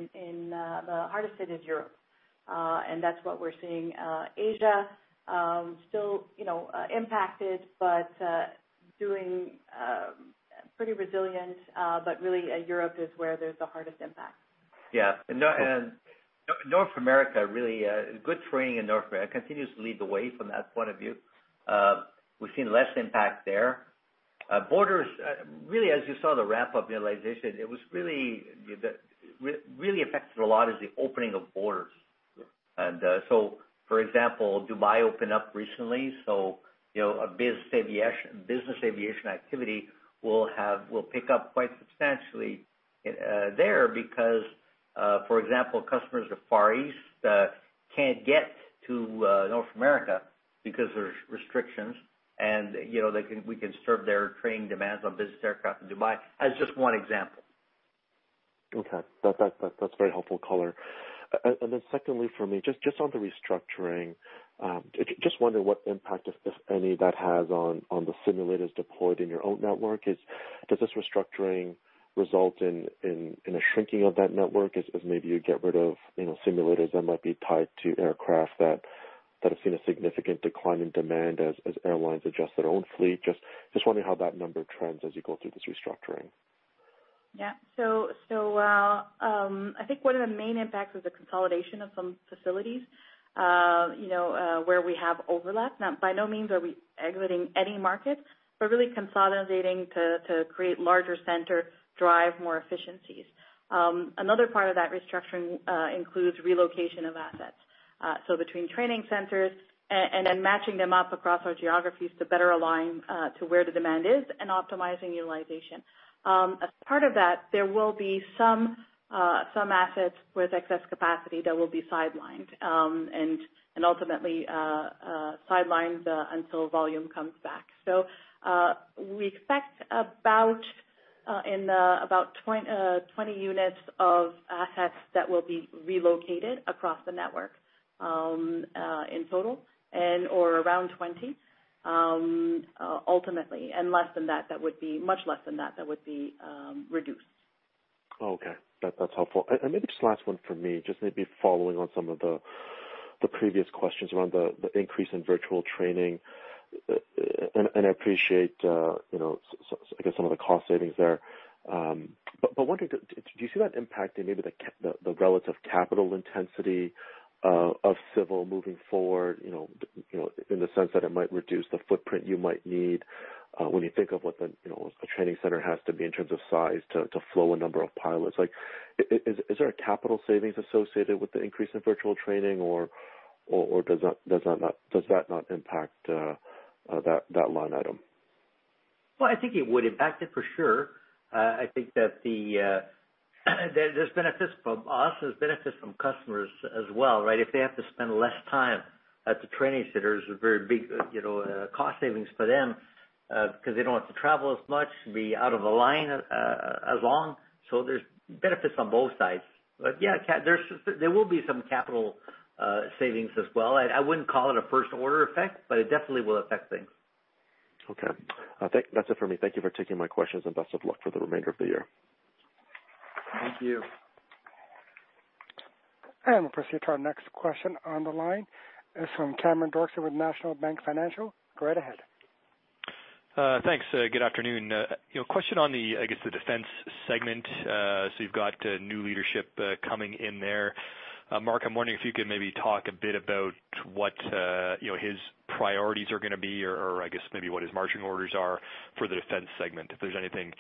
That's what we're seeing. Asia, still impacted but doing pretty resilient. Really, Europe is where there's the hardest impact. Yeah. North America, really good training in North America, continues to lead the way from that point of view. We've seen less impact there. Borders, really, as you saw the ramp-up utilization, what really affected a lot is the opening of borders. Sure. For example, Dubai opened up recently, so business aviation activity will pick up quite substantially there because for example, customers of Far East can't get to North America because there's restrictions and we can serve their training demands on business aircraft in Dubai, as just one example. Okay. That's very helpful color. Secondly for me, just on the restructuring, just wonder what impact, if any, that has on the simulators deployed in your own network? Does this restructuring result in a shrinking of that network as maybe you get rid of simulators that might be tied to aircraft that have seen a significant decline in demand as airlines adjust their own fleet? Just wondering how that number trends as you go through this restructuring? Yeah. I think one of the main impacts is the consolidation of some facilities where we have overlap. By no means are we exiting any markets. We're really consolidating to create larger center, drive more efficiencies. Another part of that restructuring includes relocation of assets. Between training centers and then matching them up across our geographies to better align to where the demand is and optimizing utilization. As part of that, there will be some assets with excess capacity that will be sidelined, and ultimately sidelined until volume comes back. We expect about 20 units of assets that will be relocated across the network in total, and or around 20, ultimately. Much less than that would be reduced. Okay. That's helpful. Maybe just last one for me, just maybe following on some of the previous questions around the increase in virtual training. I appreciate I guess some of the cost savings there. Wondering, do you see that impacting maybe the relative capital intensity of civil moving forward, in the sense that it might reduce the footprint you might need when you think of what a training center has to be in terms of size to flow a number of pilots? Is there a capital savings associated with the increase in virtual training, or does that not impact that line item? I think it would impact it for sure. I think that there's benefits from us, there's benefits from customers as well, right? If they have to spend less time at the training centers, a very big cost savings for them, because they don't have to travel as much, be out of a line as long. There's benefits on both sides. Yeah, there will be some capital savings as well. I wouldn't call it a first-order effect, but it definitely will affect things. Okay. I think that's it for me. Thank you for taking my questions, and best of luck for the remainder of the year. Thank you. We'll proceed to our next question on the line. It's from Cameron Doerksen with National Bank Financial. Go right ahead. Thanks. Good afternoon. Question on the, I guess, the defense segment. You've got new leadership coming in there. Marc, I'm wondering if you could maybe talk a bit about what his priorities are going to be or, I guess, maybe what his marching orders are for the defense segment, if there's anything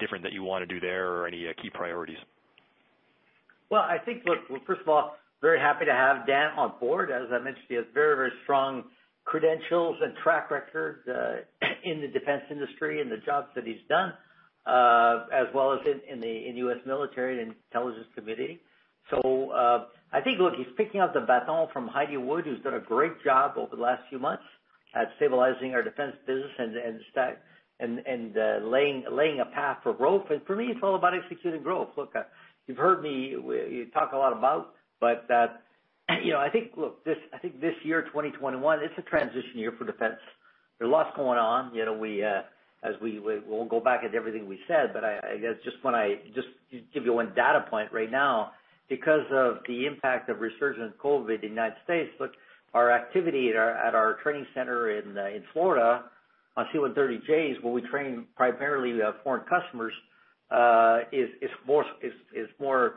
different that you want to do there or any key priorities. Well, I think, look, we're first of all very happy to have Dan on board. As I mentioned, he has very, very strong credentials and track record in the defense industry and the jobs that he's done, as well as in U.S. military and intelligence committee. I think, look, he's picking up the baton from Heidi Wood, who's done a great job over the last few months at stabilizing our defense business and laying a path for growth. For me, it's all about executing growth. Look, you've heard me talk a lot about, but I think this year, 2021, it's a transition year for defense. There's lots going on. We'll go back at everything we said. I guess when I just give you one data point right now, because of the impact of resurgent COVID-19 in the U.S., look, our activity at our training center in Florida on C-130Js, where we train primarily foreign customers, is harder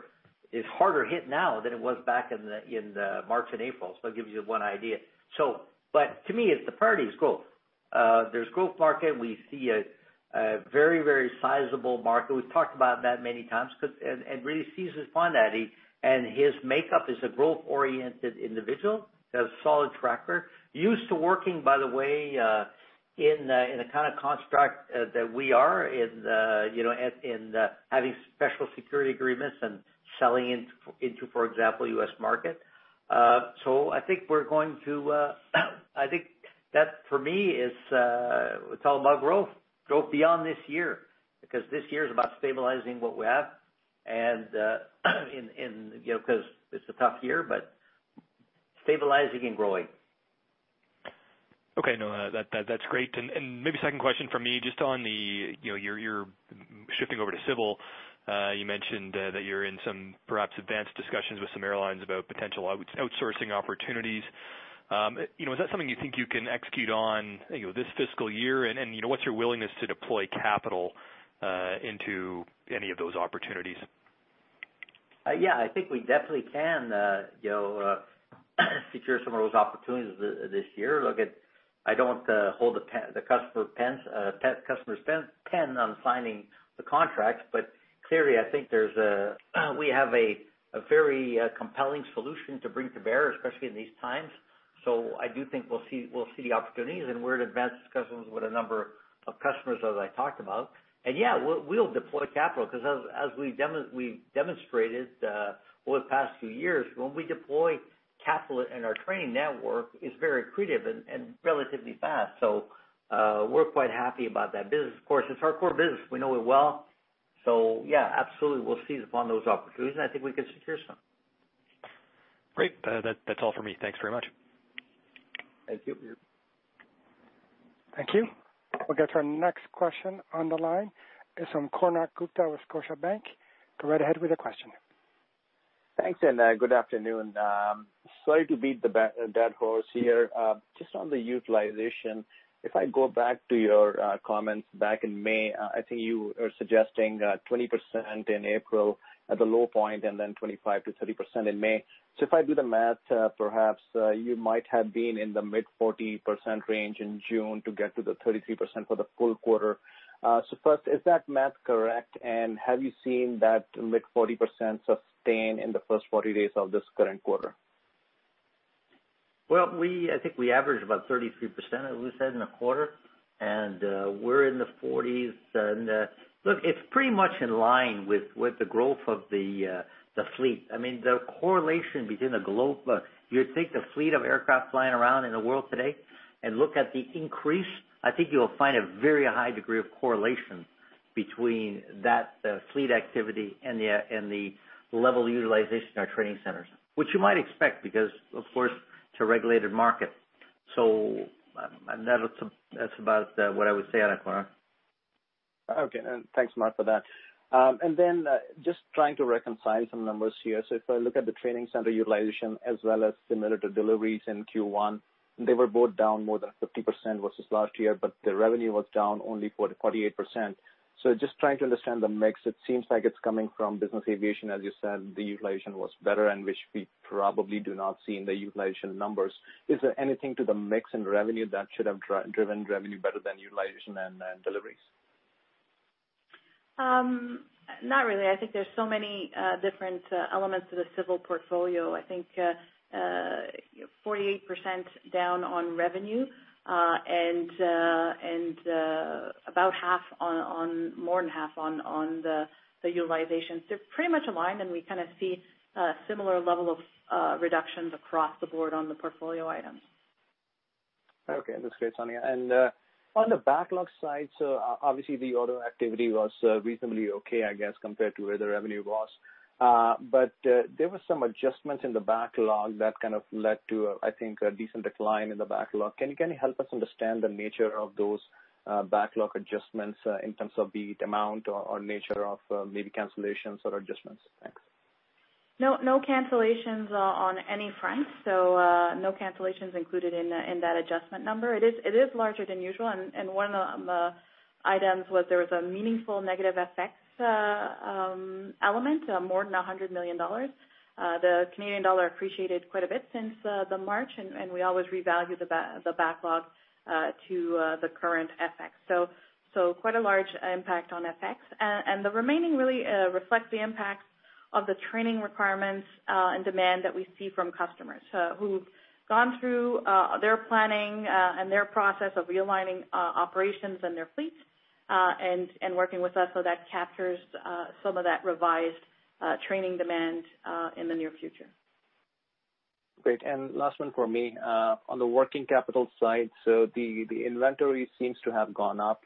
hit now than it was back in March and April. It gives you one idea. To me, the priority is growth. There's growth market. We see a very, very sizable market. We've talked about that many times because, and really seizes upon that. His makeup is a growth-oriented individual, has a solid tracker. Used to working, by the way, in the kind of construct that we are in having special security agreements and selling into, for example, U.S. market. I think that for me, it's all about growth beyond this year, because this year is about stabilizing what we have and, because it's a tough year, but stabilizing and growing. Okay. No, that's great. Maybe second question from me, you're shifting over to civil. You mentioned that you're in some perhaps advanced discussions with some airlines about potential outsourcing opportunities. Is that something you think you can execute on this fiscal year? What's your willingness to deploy capital into any of those opportunities? Yeah, I think we definitely can secure some of those opportunities this year. Look, I don't hold the customer's pen on signing the contracts, but clearly, I think we have a very compelling solution to bring to bear, especially in these times. I do think we'll see the opportunities, and we're in advanced discussions with a number of customers, as I talked about. Yeah, we'll deploy capital because as we demonstrated over the past few years, when we deploy capital in our training network, it's very accretive and relatively fast. We're quite happy about that business. Of course, it's our core business. We know it well. Yeah, absolutely, we'll seize upon those opportunities, and I think we can secure some. Great. That's all for me. Thanks very much. Thank you. Thank you. We'll get to our next question on the line. It's from Konark Gupta with Scotiabank. Go right ahead with the question. Thanks, good afternoon. Sorry to beat the dead horse here. Just on the utilization, if I go back to your comments back in May, I think you are suggesting 20% in April at the low point then 25%-30% in May. If I do the math, perhaps you might have been in the mid-40% range in June to get to the 33% for the full quarter. First, is that math correct? Have you seen that mid-40% sustained in the first 40 days of this current quarter? Well, I think I averaged about 33%, as we said, in the quarter. We're in the 40s. Look, it's pretty much in line with the growth of the fleet. The correlation between Look, you would take the fleet of aircraft flying around in the world today and look at the increase, I think you'll find a very high degree of correlation between that fleet activity and the level of utilization in our training centers, which you might expect because, of course, it's a regulated market. That's about what I would say on it, Konark. Okay. Thanks, Marc, for that. Just trying to reconcile some numbers here. If I look at the training center utilization as well as similar to deliveries in Q1, they were both down more than 50% versus last year, but the revenue was down only 48%. Just trying to understand the mix, it seems like it's coming from business aviation, as you said, the utilization was better and which we probably do not see in the utilization numbers. Is there anything to the mix in revenue that should have driven revenue better than utilization and deliveries? Not really. I think there's so many different elements to the civil portfolio. I think 48% down on revenue, and more than half on the utilization. They're pretty much aligned. We kind of see similar level of reductions across the board on the portfolio items. Okay. That's great, Sonya. On the backlog side, obviously the order activity was reasonably okay, I guess, compared to where the revenue was. There was some adjustments in the backlog that led to, I think, a decent decline in the backlog. Can you help us understand the nature of those backlog adjustments in terms of the amount or nature of maybe cancellations or adjustments? Thanks. No cancellations on any front. No cancellations included in that adjustment number. It is larger than usual, and one of the items was there was a meaningful negative FX element of more than 100 million dollars. The Canadian dollar appreciated quite a bit since the March, and we always revalue the backlog to the current FX. Quite a large impact on FX. The remaining really reflects the impact of the training requirements and demand that we see from customers who've gone through their planning and their process of realigning operations and their fleets, and working with us so that captures some of that revised training demand in the near future. Great. Last one for me. On the working capital side, the inventory seems to have gone up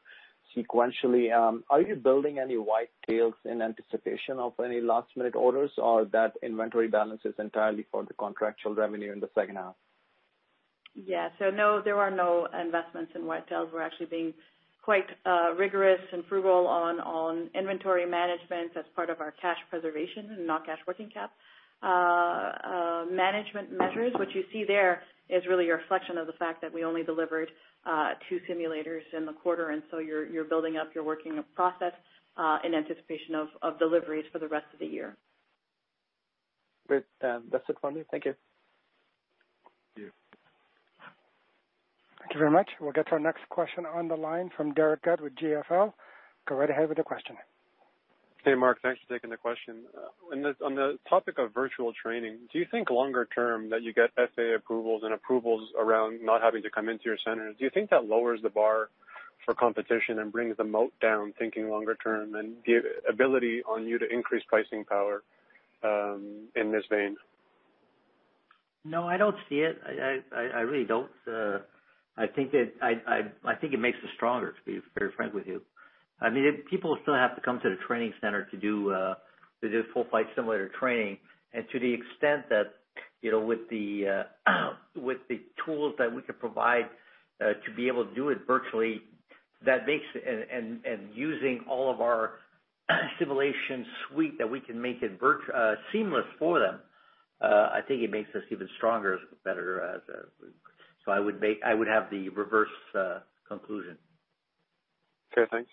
sequentially. Are you building any white tails in anticipation of any last-minute orders, or that inventory balance is entirely for the contractual revenue in the second half? Yeah. No, there are no investments in white tails. We're actually being quite rigorous and frugal on inventory management as part of our cash preservation, not cash working cap management measures. What you see there is really a reflection of the fact that we only delivered two simulators in the quarter. You're building up your work in process in anticipation of deliveries for the rest of the year. Great. That's it for me. Thank you. Thank you. Thank you very much. We'll get to our next question on the line from Derek Gott with GFL. Go right ahead with your question. Hey, Marc. Thanks for taking the question. On the topic of virtual training, do you think longer term that you get FAA approvals and approvals around not having to come into your center, do you think that lowers the bar for competition and brings the moat down, thinking longer term, and the ability on you to increase pricing power in this vein? No, I don't see it. I really don't. I think it makes us stronger, to be very frank with you. People still have to come to the training center to do full flight simulator training. To the extent that with the tools that we can provide to be able to do it virtually, and using all of our simulation suite that we can make it seamless for them, I think it makes us even stronger as a competitor. I would have the reverse conclusion. Okay, thanks.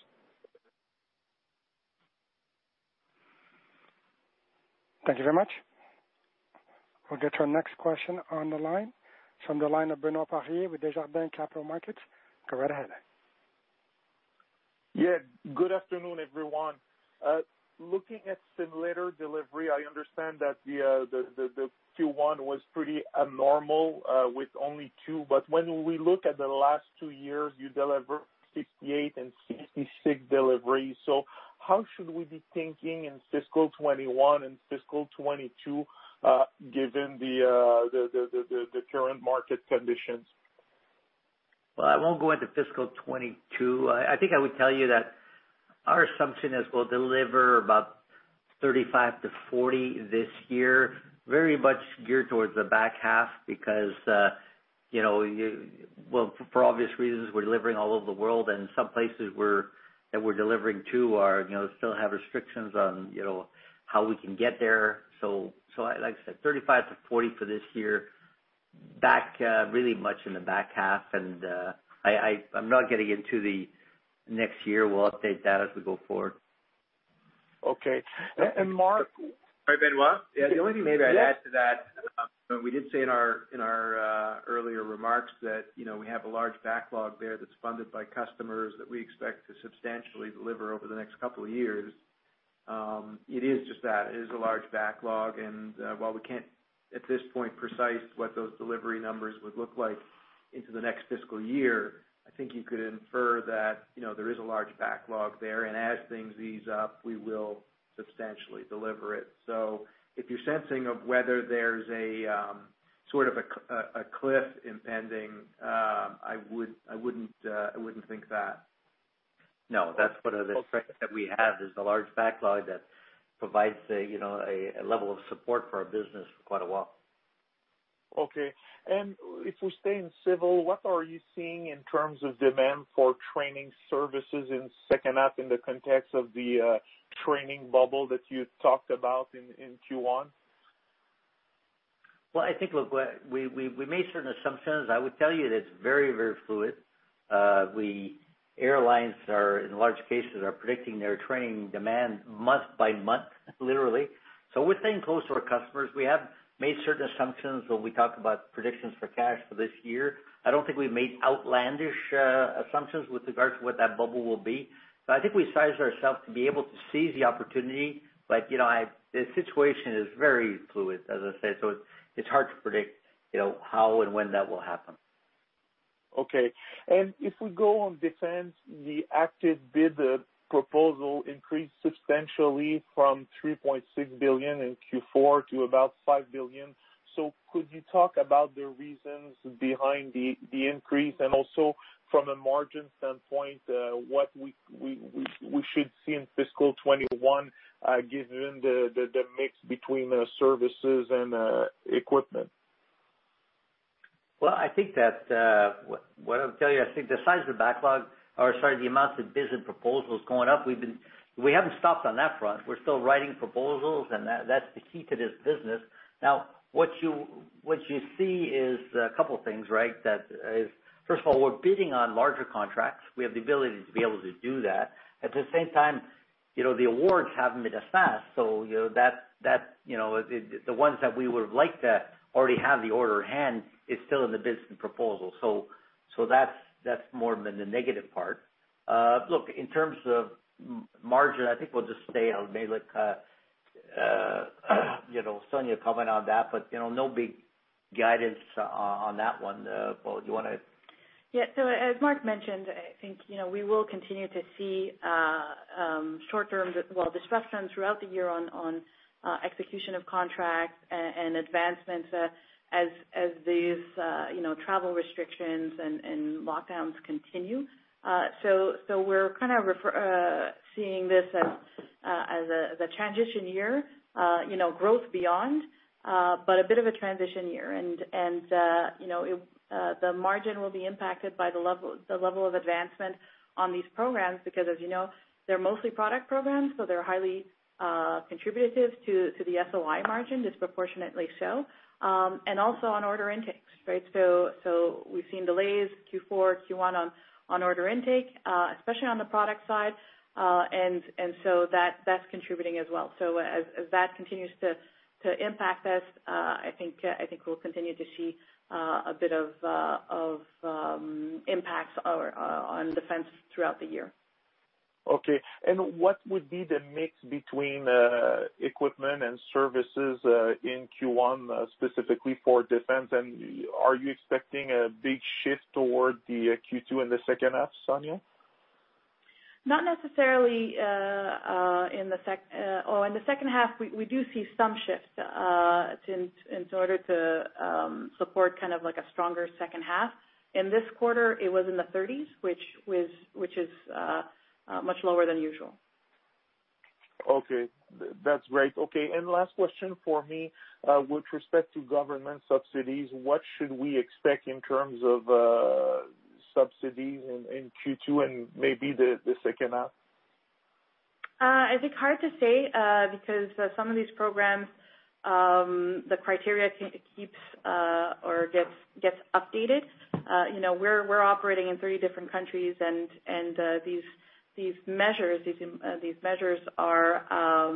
Thank you very much. We'll get to our next question on the line from the line of Benoit Poirier with Desjardins Capital Markets. Go right ahead. Yeah. Good afternoon, everyone. Looking at simulator delivery, I understand that the Q1 was pretty abnormal with only two. When we look at the last two years, you delivered 68 and 66 deliveries. How should we be thinking in fiscal 2021 and fiscal 2022 given the current market conditions? I won't go into FY 2022. I think I would tell you that our assumption is we'll deliver about 35-40 this year, very much geared towards the back half because, well, for obvious reasons, we're delivering all over the world, and some places that we're delivering to still have restrictions on how we can get there. Like I said, 35-40 for this year, really much in the back half. I'm not getting into the next year. We'll update that as we go forward. Okay. Marc. Hi, Benoit. The only thing maybe I'd add to that, we did say in our earlier remarks that we have a large backlog there that's funded by customers that we expect to substantially deliver over the next couple of years. It is just that. It is a large backlog, while we can't at this point precise what those delivery numbers would look like into the next fiscal year, I think you could infer that there is a large backlog there, and as things ease up, we will substantially deliver it. If you're sensing of whether there's a sort of a cliff impending, I wouldn't think that. No, that's one of the strengths that we have is a large backlog that provides a level of support for our business for quite a while. Okay. If we stay in civil, what are you seeing in terms of demand for training services in second half in the context of the training bubble that you talked about in Q1? Well, I think, look, we made certain assumptions. I would tell you that it's very fluid. Airlines are, in large cases, predicting their training demand month by month, literally. We're staying close to our customers. We have made certain assumptions when we talk about predictions for cash for this year. I don't think we've made outlandish assumptions with regards to what that bubble will be. I think we sized ourselves to be able to seize the opportunity. The situation is very fluid, as I said, it's hard to predict how and when that will happen. Okay. If we go on defense, the active bid proposal increased substantially from 3.6 billion in Q4 to about 5 billion. Could you talk about the reasons behind the increase and also from a margin standpoint what we should see in FY 2021 given the mix between services and equipment? Well, I think that what I'll tell you, I think the size of backlog, or sorry, the amount of business proposals going up, we haven't stopped on that front. We're still writing proposals, and that's the key to this business. What you see is a couple things, right? That is, first of all, we're bidding on larger contracts. We have the ability to be able to do that. At the same time, the awards haven't been as fast. The ones that we would've liked to already have the order in hand is still in the business proposal. That's more been the negative part. Look, in terms of margin, I think we'll just stay. I'll maybe let Sonya comment on that, but no big guidance on that one. Paul, do you want to? Yeah. As Marc mentioned, I think, we will continue to see short term well, disruptions throughout the year on execution of contracts and advancements as these travel restrictions and lockdowns continue. We're kind of seeing this as a transition year, growth beyond, but a bit of a transition year. The margin will be impacted by the level of advancement on these programs, because as you know, they're mostly product programs, so they're highly contributive to the SOI margin, disproportionately so. Also on order intakes, right? We've seen delays, Q4, Q1 on order intake, especially on the product side. That's contributing as well. As that continues to impact us, I think we'll continue to see a bit of impacts on defense throughout the year. Okay. What would be the mix between equipment and services, in Q1, specifically for defense? Are you expecting a big shift toward the Q2 in the second half, Sonya? Not necessarily. In the second half, we do see some shifts in order to support kind of like a stronger second half. In this quarter, it was in the 30s, which is much lower than usual. Okay. That's great. Okay, last question for me. With respect to government subsidies, what should we expect in terms of subsidies in Q2 and maybe the second half? I think hard to say, because some of these programs, the criteria keeps or gets updated. These measures are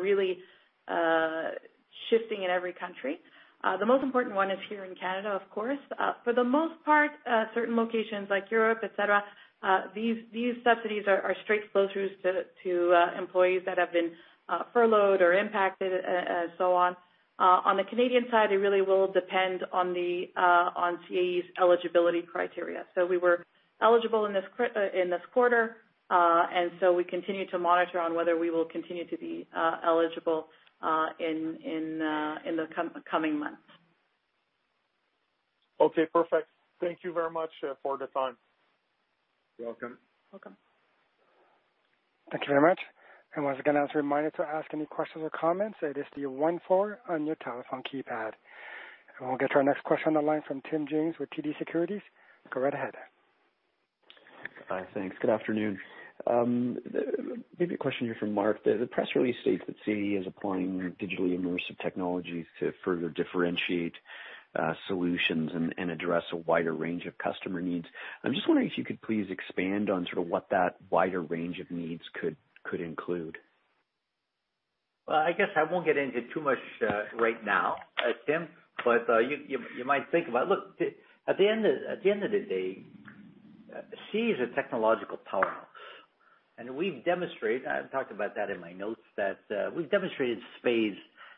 really shifting in every country. The most important one is here in Canada, of course. For the most part, certain locations like Europe, et cetera, these subsidies are straight conduits to employees that have been furloughed or impacted, and so on. On the Canadian side, it really will depend on CAE's eligibility criteria. We were eligible in this quarter, and so we continue to monitor on whether we will continue to be eligible in the coming months. Okay, perfect. Thank you very much for the time. You're welcome. Welcome. Thank you very much. Once again, as a reminder to ask any questions or comments, it is the 14 on your telephone keypad. We'll get to our next question on the line from Tim James with TD Securities. Go right ahead. Thanks. Good afternoon. Maybe a question here for Marc. The press release states that CAE is applying digitally immersive technologies to further differentiate solutions and address a wider range of customer needs. I'm just wondering if you could please expand on sort of what that wider range of needs could include. Well, I guess I won't get into too much right now, Tim, but you might think about it. Look, at the end of the day, CAE is a technological powerhouse, and we've demonstrated, I talked about that in my notes, that we've demonstrated in spades,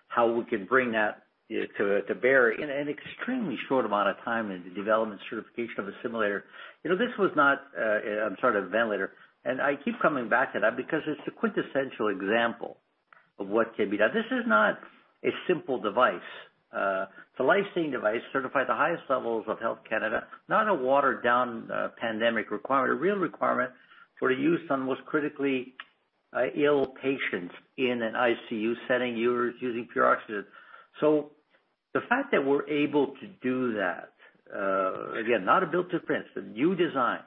how we can bring that to bear in an extremely short amount of time in the development certification of a simulator. I'm sorry, the ventilator. I keep coming back to that because it's the quintessential example of what can be done. This is not a simple device. It's a lifesaving device certified at the highest levels of Health Canada, not a watered-down pandemic requirement, a real requirement for use on the most critically ill patients in an ICU setting using pure oxygen. The fact that we're able to do that, again, not a built-to-print, but new design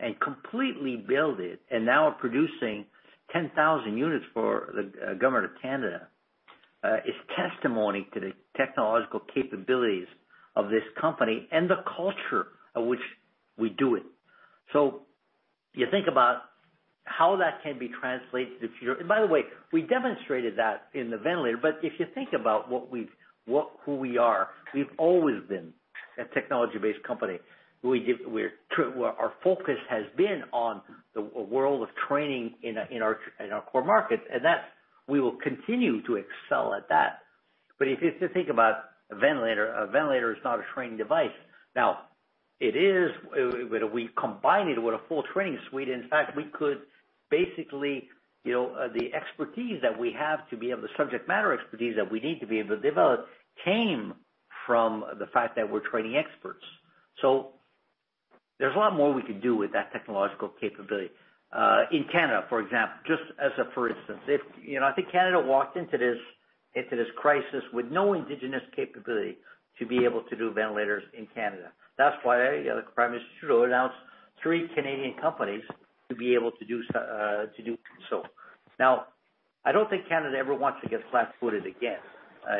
and completely build it and now we're producing 10,000 units for the Government of Canada is testimony to the technological capabilities of this company and the culture of which we do it. If you think about how that can be translated to future. By the way, we demonstrated that in the ventilator. If you think about who we are, we've always been a technology-based company. Our focus has been on the world of training in our core markets, and that we will continue to excel at that. If you think about a ventilator, a ventilator is not a training device. It is when we combine it with a full training suite. In fact, the subject matter expertise that we need to be able to develop came from the fact that we're training experts. There's a lot more we can do with that technological capability. In Canada, for example, just as a for instance, I think Canada walked into this crisis with no indigenous capability to be able to do ventilators in Canada. That's why Prime Minister Trudeau announced three Canadian companies to be able to do so. I don't think Canada ever wants to get flat-footed again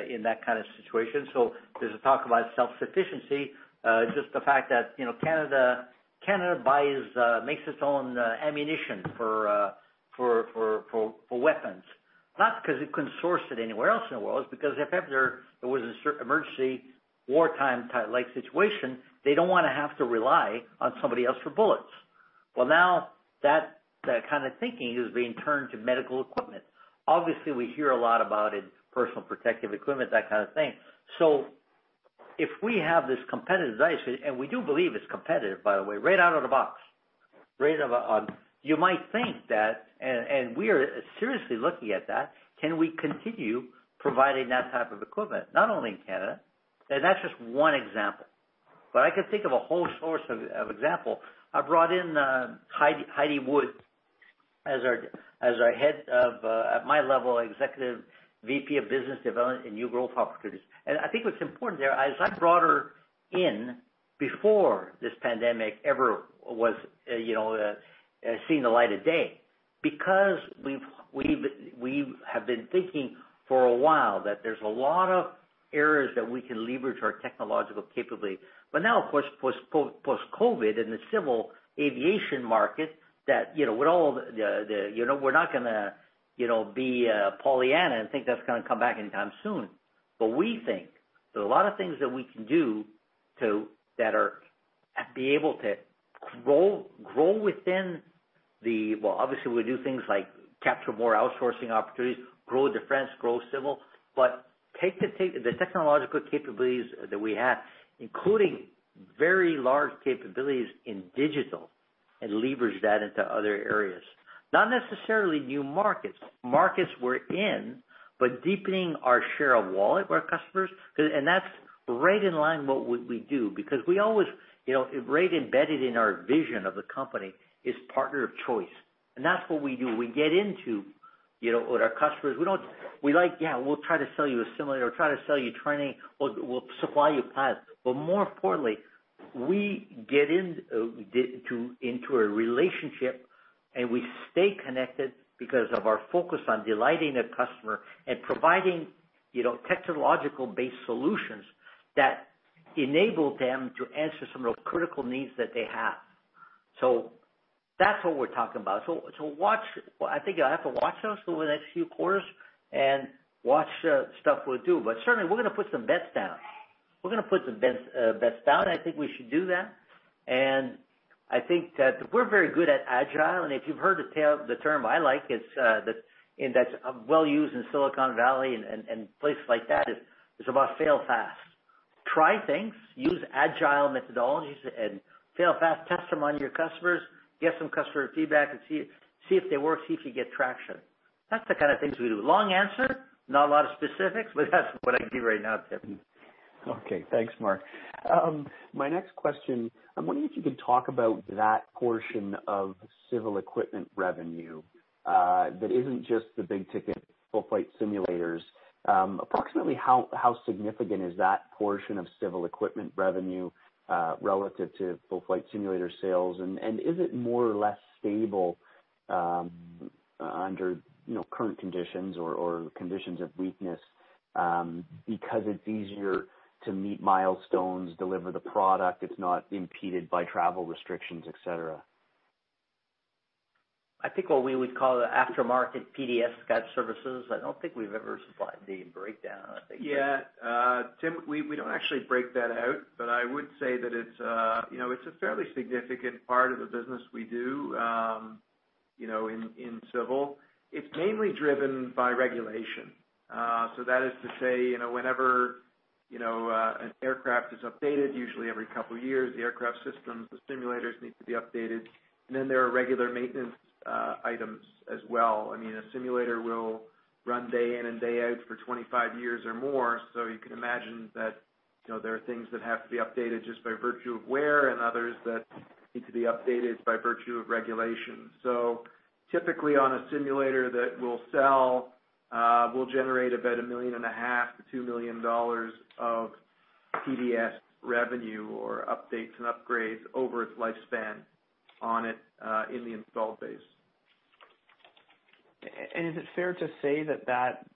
in that kind of situation. There's a talk about self-sufficiency, just the fact that Canada makes its own ammunition for weapons, not because it couldn't source it anywhere else in the world. It's because if ever there was an emergency wartime-like situation, they don't want to have to rely on somebody else for bullets. Now that kind of thinking is being turned to medical equipment. Obviously, we hear a lot about personal protective equipment, that kind of thing. If we have this competitive device, and we do believe it's competitive, by the way, right out of the box. You might think that, and we're seriously looking at that. Can we continue providing that type of equipment, not only in Canada, and that's just one example? I can think of a whole source of example. I brought in Heidi Wood as our head of, at my level, Executive VP of Business Development and New Growth Opportunities. I think what's important there, as I brought her in before this pandemic ever seen the light of day, because we have been thinking for a while that there's a lot of areas that we can leverage our technological capability. Now, of course, post-COVID, in the civil aviation market, we're not going to be a Pollyanna and think that's going to come back anytime soon. We think there's a lot of things that we can do to be able to grow within, well, obviously, we do things like capture more outsourcing opportunities, grow defense, grow civil, but take the technological capabilities that we have, including very large capabilities in digital, and leverage that into other areas, not necessarily new markets we're in, but deepening our share of wallet with our customers. That's right in line with what we do, because we always, right embedded in our vision of the company, is partner of choice. That's what we do. We get into with our customers. We're like, "Yeah, we'll try to sell you a simulator, or try to sell you training, or we'll supply you a pilot." More importantly, we get into a relationship, and we stay connected because of our focus on delighting the customer and providing technological-based solutions that enable them to answer some real critical needs that they have. That's what we're talking about. Watch. I think you'll have to watch us over the next few quarters and watch the stuff we'll do. Certainly, we're going to put some bets down. I think we should do that. I think that we're very good at Agile, and if you've heard the term I like, and that's well used in Silicon Valley and places like that, it's about fail fast. Try things, use Agile methodologies, and fail fast. Test them on your customers, get some customer feedback, and see if they work, see if you get traction. That's the kind of things we do. Long answer, not a lot of specifics, but that's what I give right now, Tim. Okay. Thanks, Marc. My next question, I'm wondering if you could talk about that portion of civil equipment revenue that isn't just the big ticket full flight simulators. Approximately how significant is that portion of civil equipment revenue relative to full flight simulator sales? Is it more or less stable under current conditions or conditions of weakness because it's easier to meet milestones, deliver the product, it's not impeded by travel restrictions, et cetera? I think what we would call the aftermarket PDS lifecycle services. I don't think we've ever supplied the breakdown on it. Yeah. Tim, we don't actually break that out, but I would say that it's a fairly significant part of the business we do in civil. It's mainly driven by regulation. That is to say, whenever an aircraft is updated, usually every couple of years, the aircraft systems, the simulators need to be updated, and then there are regular maintenance items as well. A simulator will run day in and day out for 25 years or more. You can imagine that there are things that have to be updated just by virtue of wear, and others that need to be updated by virtue of regulation. Typically, on a simulator that we'll sell, we'll generate about CAD a million and a half to 2 million dollars of PDS revenue or updates and upgrades over its lifespan on it in the installed base. Is it fair to say that that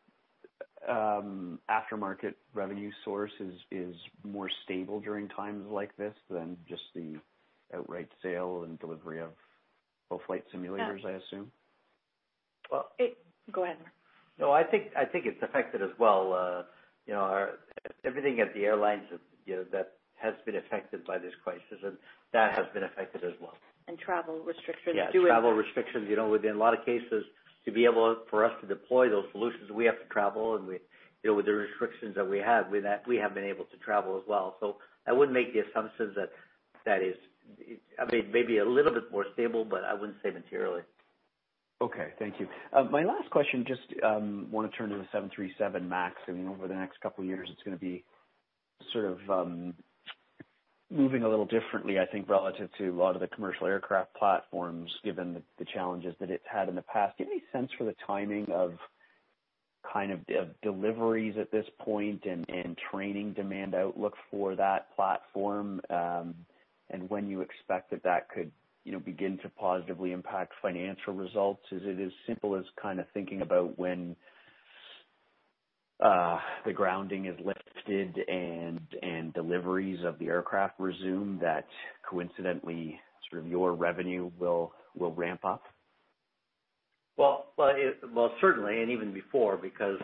aftermarket revenue source is more stable during times like this than just the outright sale and delivery of full flight simulators, I assume? Well- Go ahead, Marc. No, I think it's affected as well. Everything at the airlines that has been affected by this crisis, and that has been affected as well. Travel restrictions too. Yeah. Travel restrictions. Within a lot of cases, to be able for us to deploy those solutions, we have to travel, and with the restrictions that we have, we haven't been able to travel as well. I wouldn't make the assumption that that is maybe a little bit more stable, but I wouldn't say materially. Okay, thank you. My last question, just want to turn to the 737 MAX. Over the next couple of years, it's going to be moving a little differently, I think, relative to a lot of the commercial aircraft platforms, given the challenges that it's had in the past. Do you have any sense for the timing of deliveries at this point and training demand outlook for that platform, and when you expect that could begin to positively impact financial results? Is it as simple as thinking about when the grounding is lifted and deliveries of the aircraft resume, that coincidentally your revenue will ramp up? Certainly, and even before. Because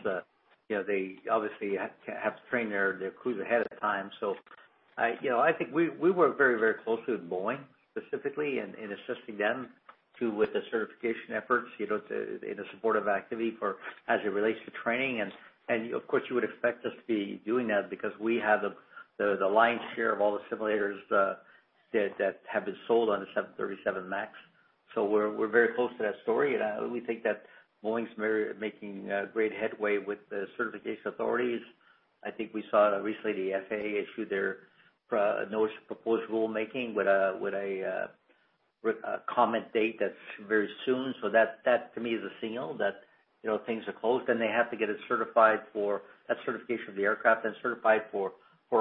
they obviously have to train their crews ahead of time. I think we work very closely with Boeing, specifically in assisting them with the certification efforts in a supportive activity as it relates to training. Of course, you would expect us to be doing that because we have the lion's share of all the simulators that have been sold on the 737 MAX. We're very close to that story, and we think that Boeing's making great headway with the certification authorities. I think we saw recently the FAA issue their notice of proposed rulemaking with a comment date that's very soon. That to me is a signal that things are close. They have to get a certification of the aircraft, then certify it for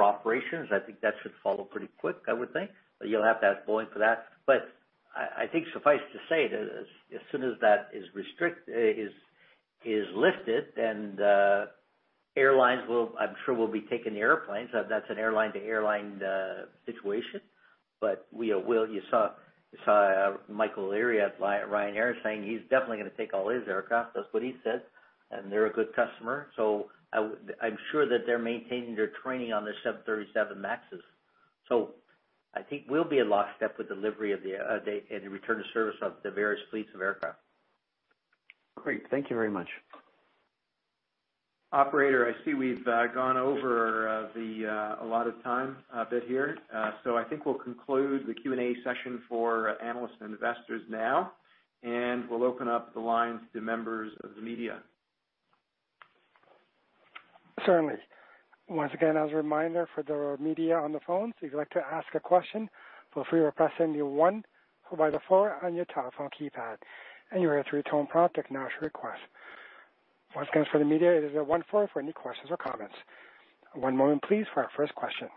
operations. I think that should follow pretty quick, I would think, but you'll have to ask Boeing for that. I think suffice to say that as soon as that is lifted, then airlines, I'm sure, will be taking the airplanes. That's an airline-to-airline situation. You saw Michael O'Leary at Ryanair saying he's definitely going to take all his aircraft. That's what he said, and they're a good customer. I'm sure that they're maintaining their training on the 737 MAXs. I think we'll be in lockstep with delivery and the return to service of the various fleets of aircraft. Great. Thank you very much. Operator, I see we've gone over a lot of time a bit here. I think we'll conclude the Q&A session for analysts and investors now, and we'll open up the lines to members of the media. Certainly. One moment please for our first question.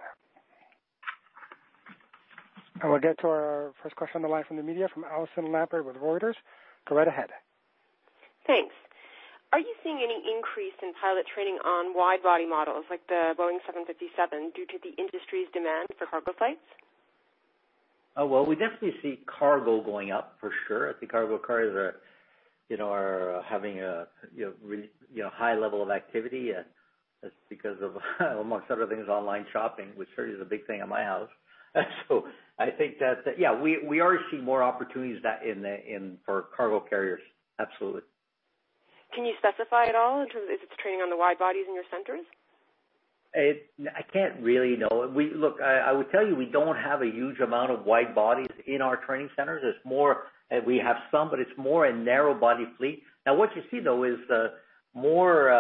I will get to our first question on the line from the media, from Allison Lampert with Reuters. Go right ahead. Thanks. Are you seeing any increase in pilot training on wide-body models like the Boeing 777 due to the industry's demand for cargo flights? Well, we definitely see cargo going up for sure. I think cargo carriers are having a high level of activity. That's because of amongst other things, online shopping, which certainly is a big thing at my house. I think that, yeah, we are seeing more opportunities for cargo carriers. Absolutely. Can you specify at all in terms of if it's training on the wide-bodies in your centers? I can't really, no. Look, I would tell you, we don't have a huge amount of wide-bodies in our training centers. We have some, but it's more a narrow-body fleet. What you see, though, is more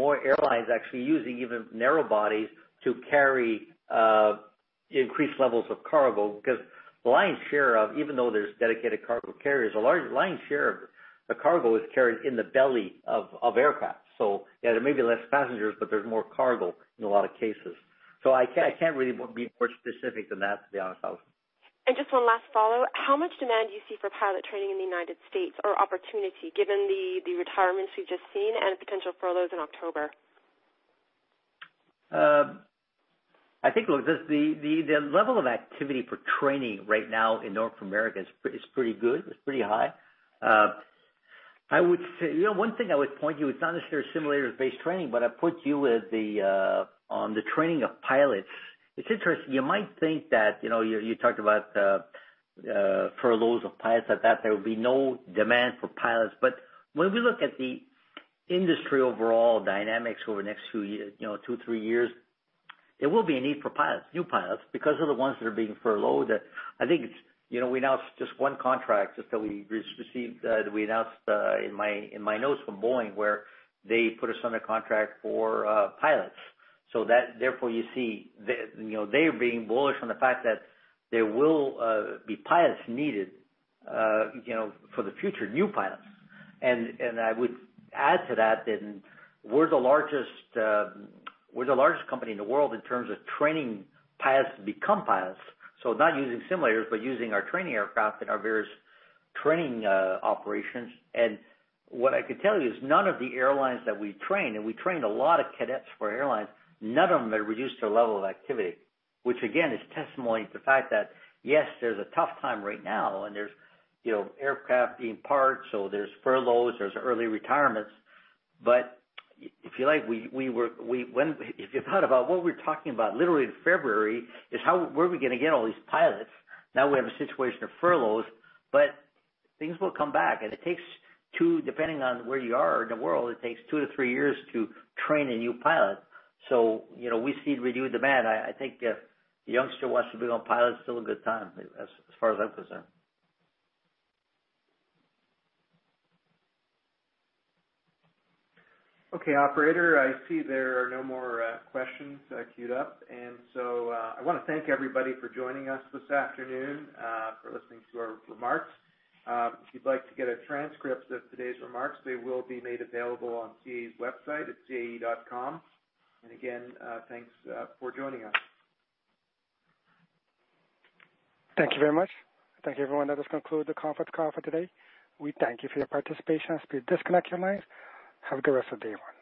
airlines actually using even narrow bodies to carry increased levels of cargo because the lion's share of, even though there's dedicated cargo carriers, a large lion's share of the cargo is carried in the belly of aircraft. Yeah, there may be less passengers, but there's more cargo in a lot of cases. I can't really be more specific than that, to be honest, Allison. Just one last follow-up. How much demand do you see for pilot training in the U.S. or opportunity given the retirements we've just seen and potential furloughs in October? I think, look, the level of activity for training right now in North America is pretty good. It's pretty high. One thing I would point you, it's not necessarily simulators-based training, but I'd point you on the training of pilots. It's interesting. You might think that, you talked about furloughs of pilots, that there would be no demand for pilots. When we look at the industry overall dynamics over the next two, three years, there will be a need for pilots, new pilots, because of the ones that are being furloughed. I think we announced just one contract that we announced in my notes from Boeing, where they put us under contract for pilots. Therefore, you see they are being bullish on the fact that there will be pilots needed for the future, new pilots. I would add to that we're the largest company in the world in terms of training pilots to become pilots. Not using simulators, but using our training aircraft and our various training operations. What I could tell you is none of the airlines that we train, and we trained a lot of cadets for airlines, none of them have reduced their level of activity. Again, is testimony to the fact that, yes, there's a tough time right now, and there's aircraft being parked, so there's furloughs, there's early retirements. If you thought about what we were talking about literally in February is where are we going to get all these pilots? We have a situation of furloughs, but things will come back, and it takes two, depending on where you are in the world, it takes two to three years to train a new pilot. We see renewed demand. I think a youngster who wants to be a pilot, it's still a good time as far as I'm concerned. Okay, operator, I see there are no more questions queued up. I want to thank everybody for joining us this afternoon, for listening to our remarks. If you'd like to get a transcript of today's remarks, they will be made available on CAE's website at cae.com. Again, thanks for joining us. Thank you very much. Thank you, everyone. That does conclude the conference call for today. We thank you for your participation. As we disconnect your lines, have a good rest of day one.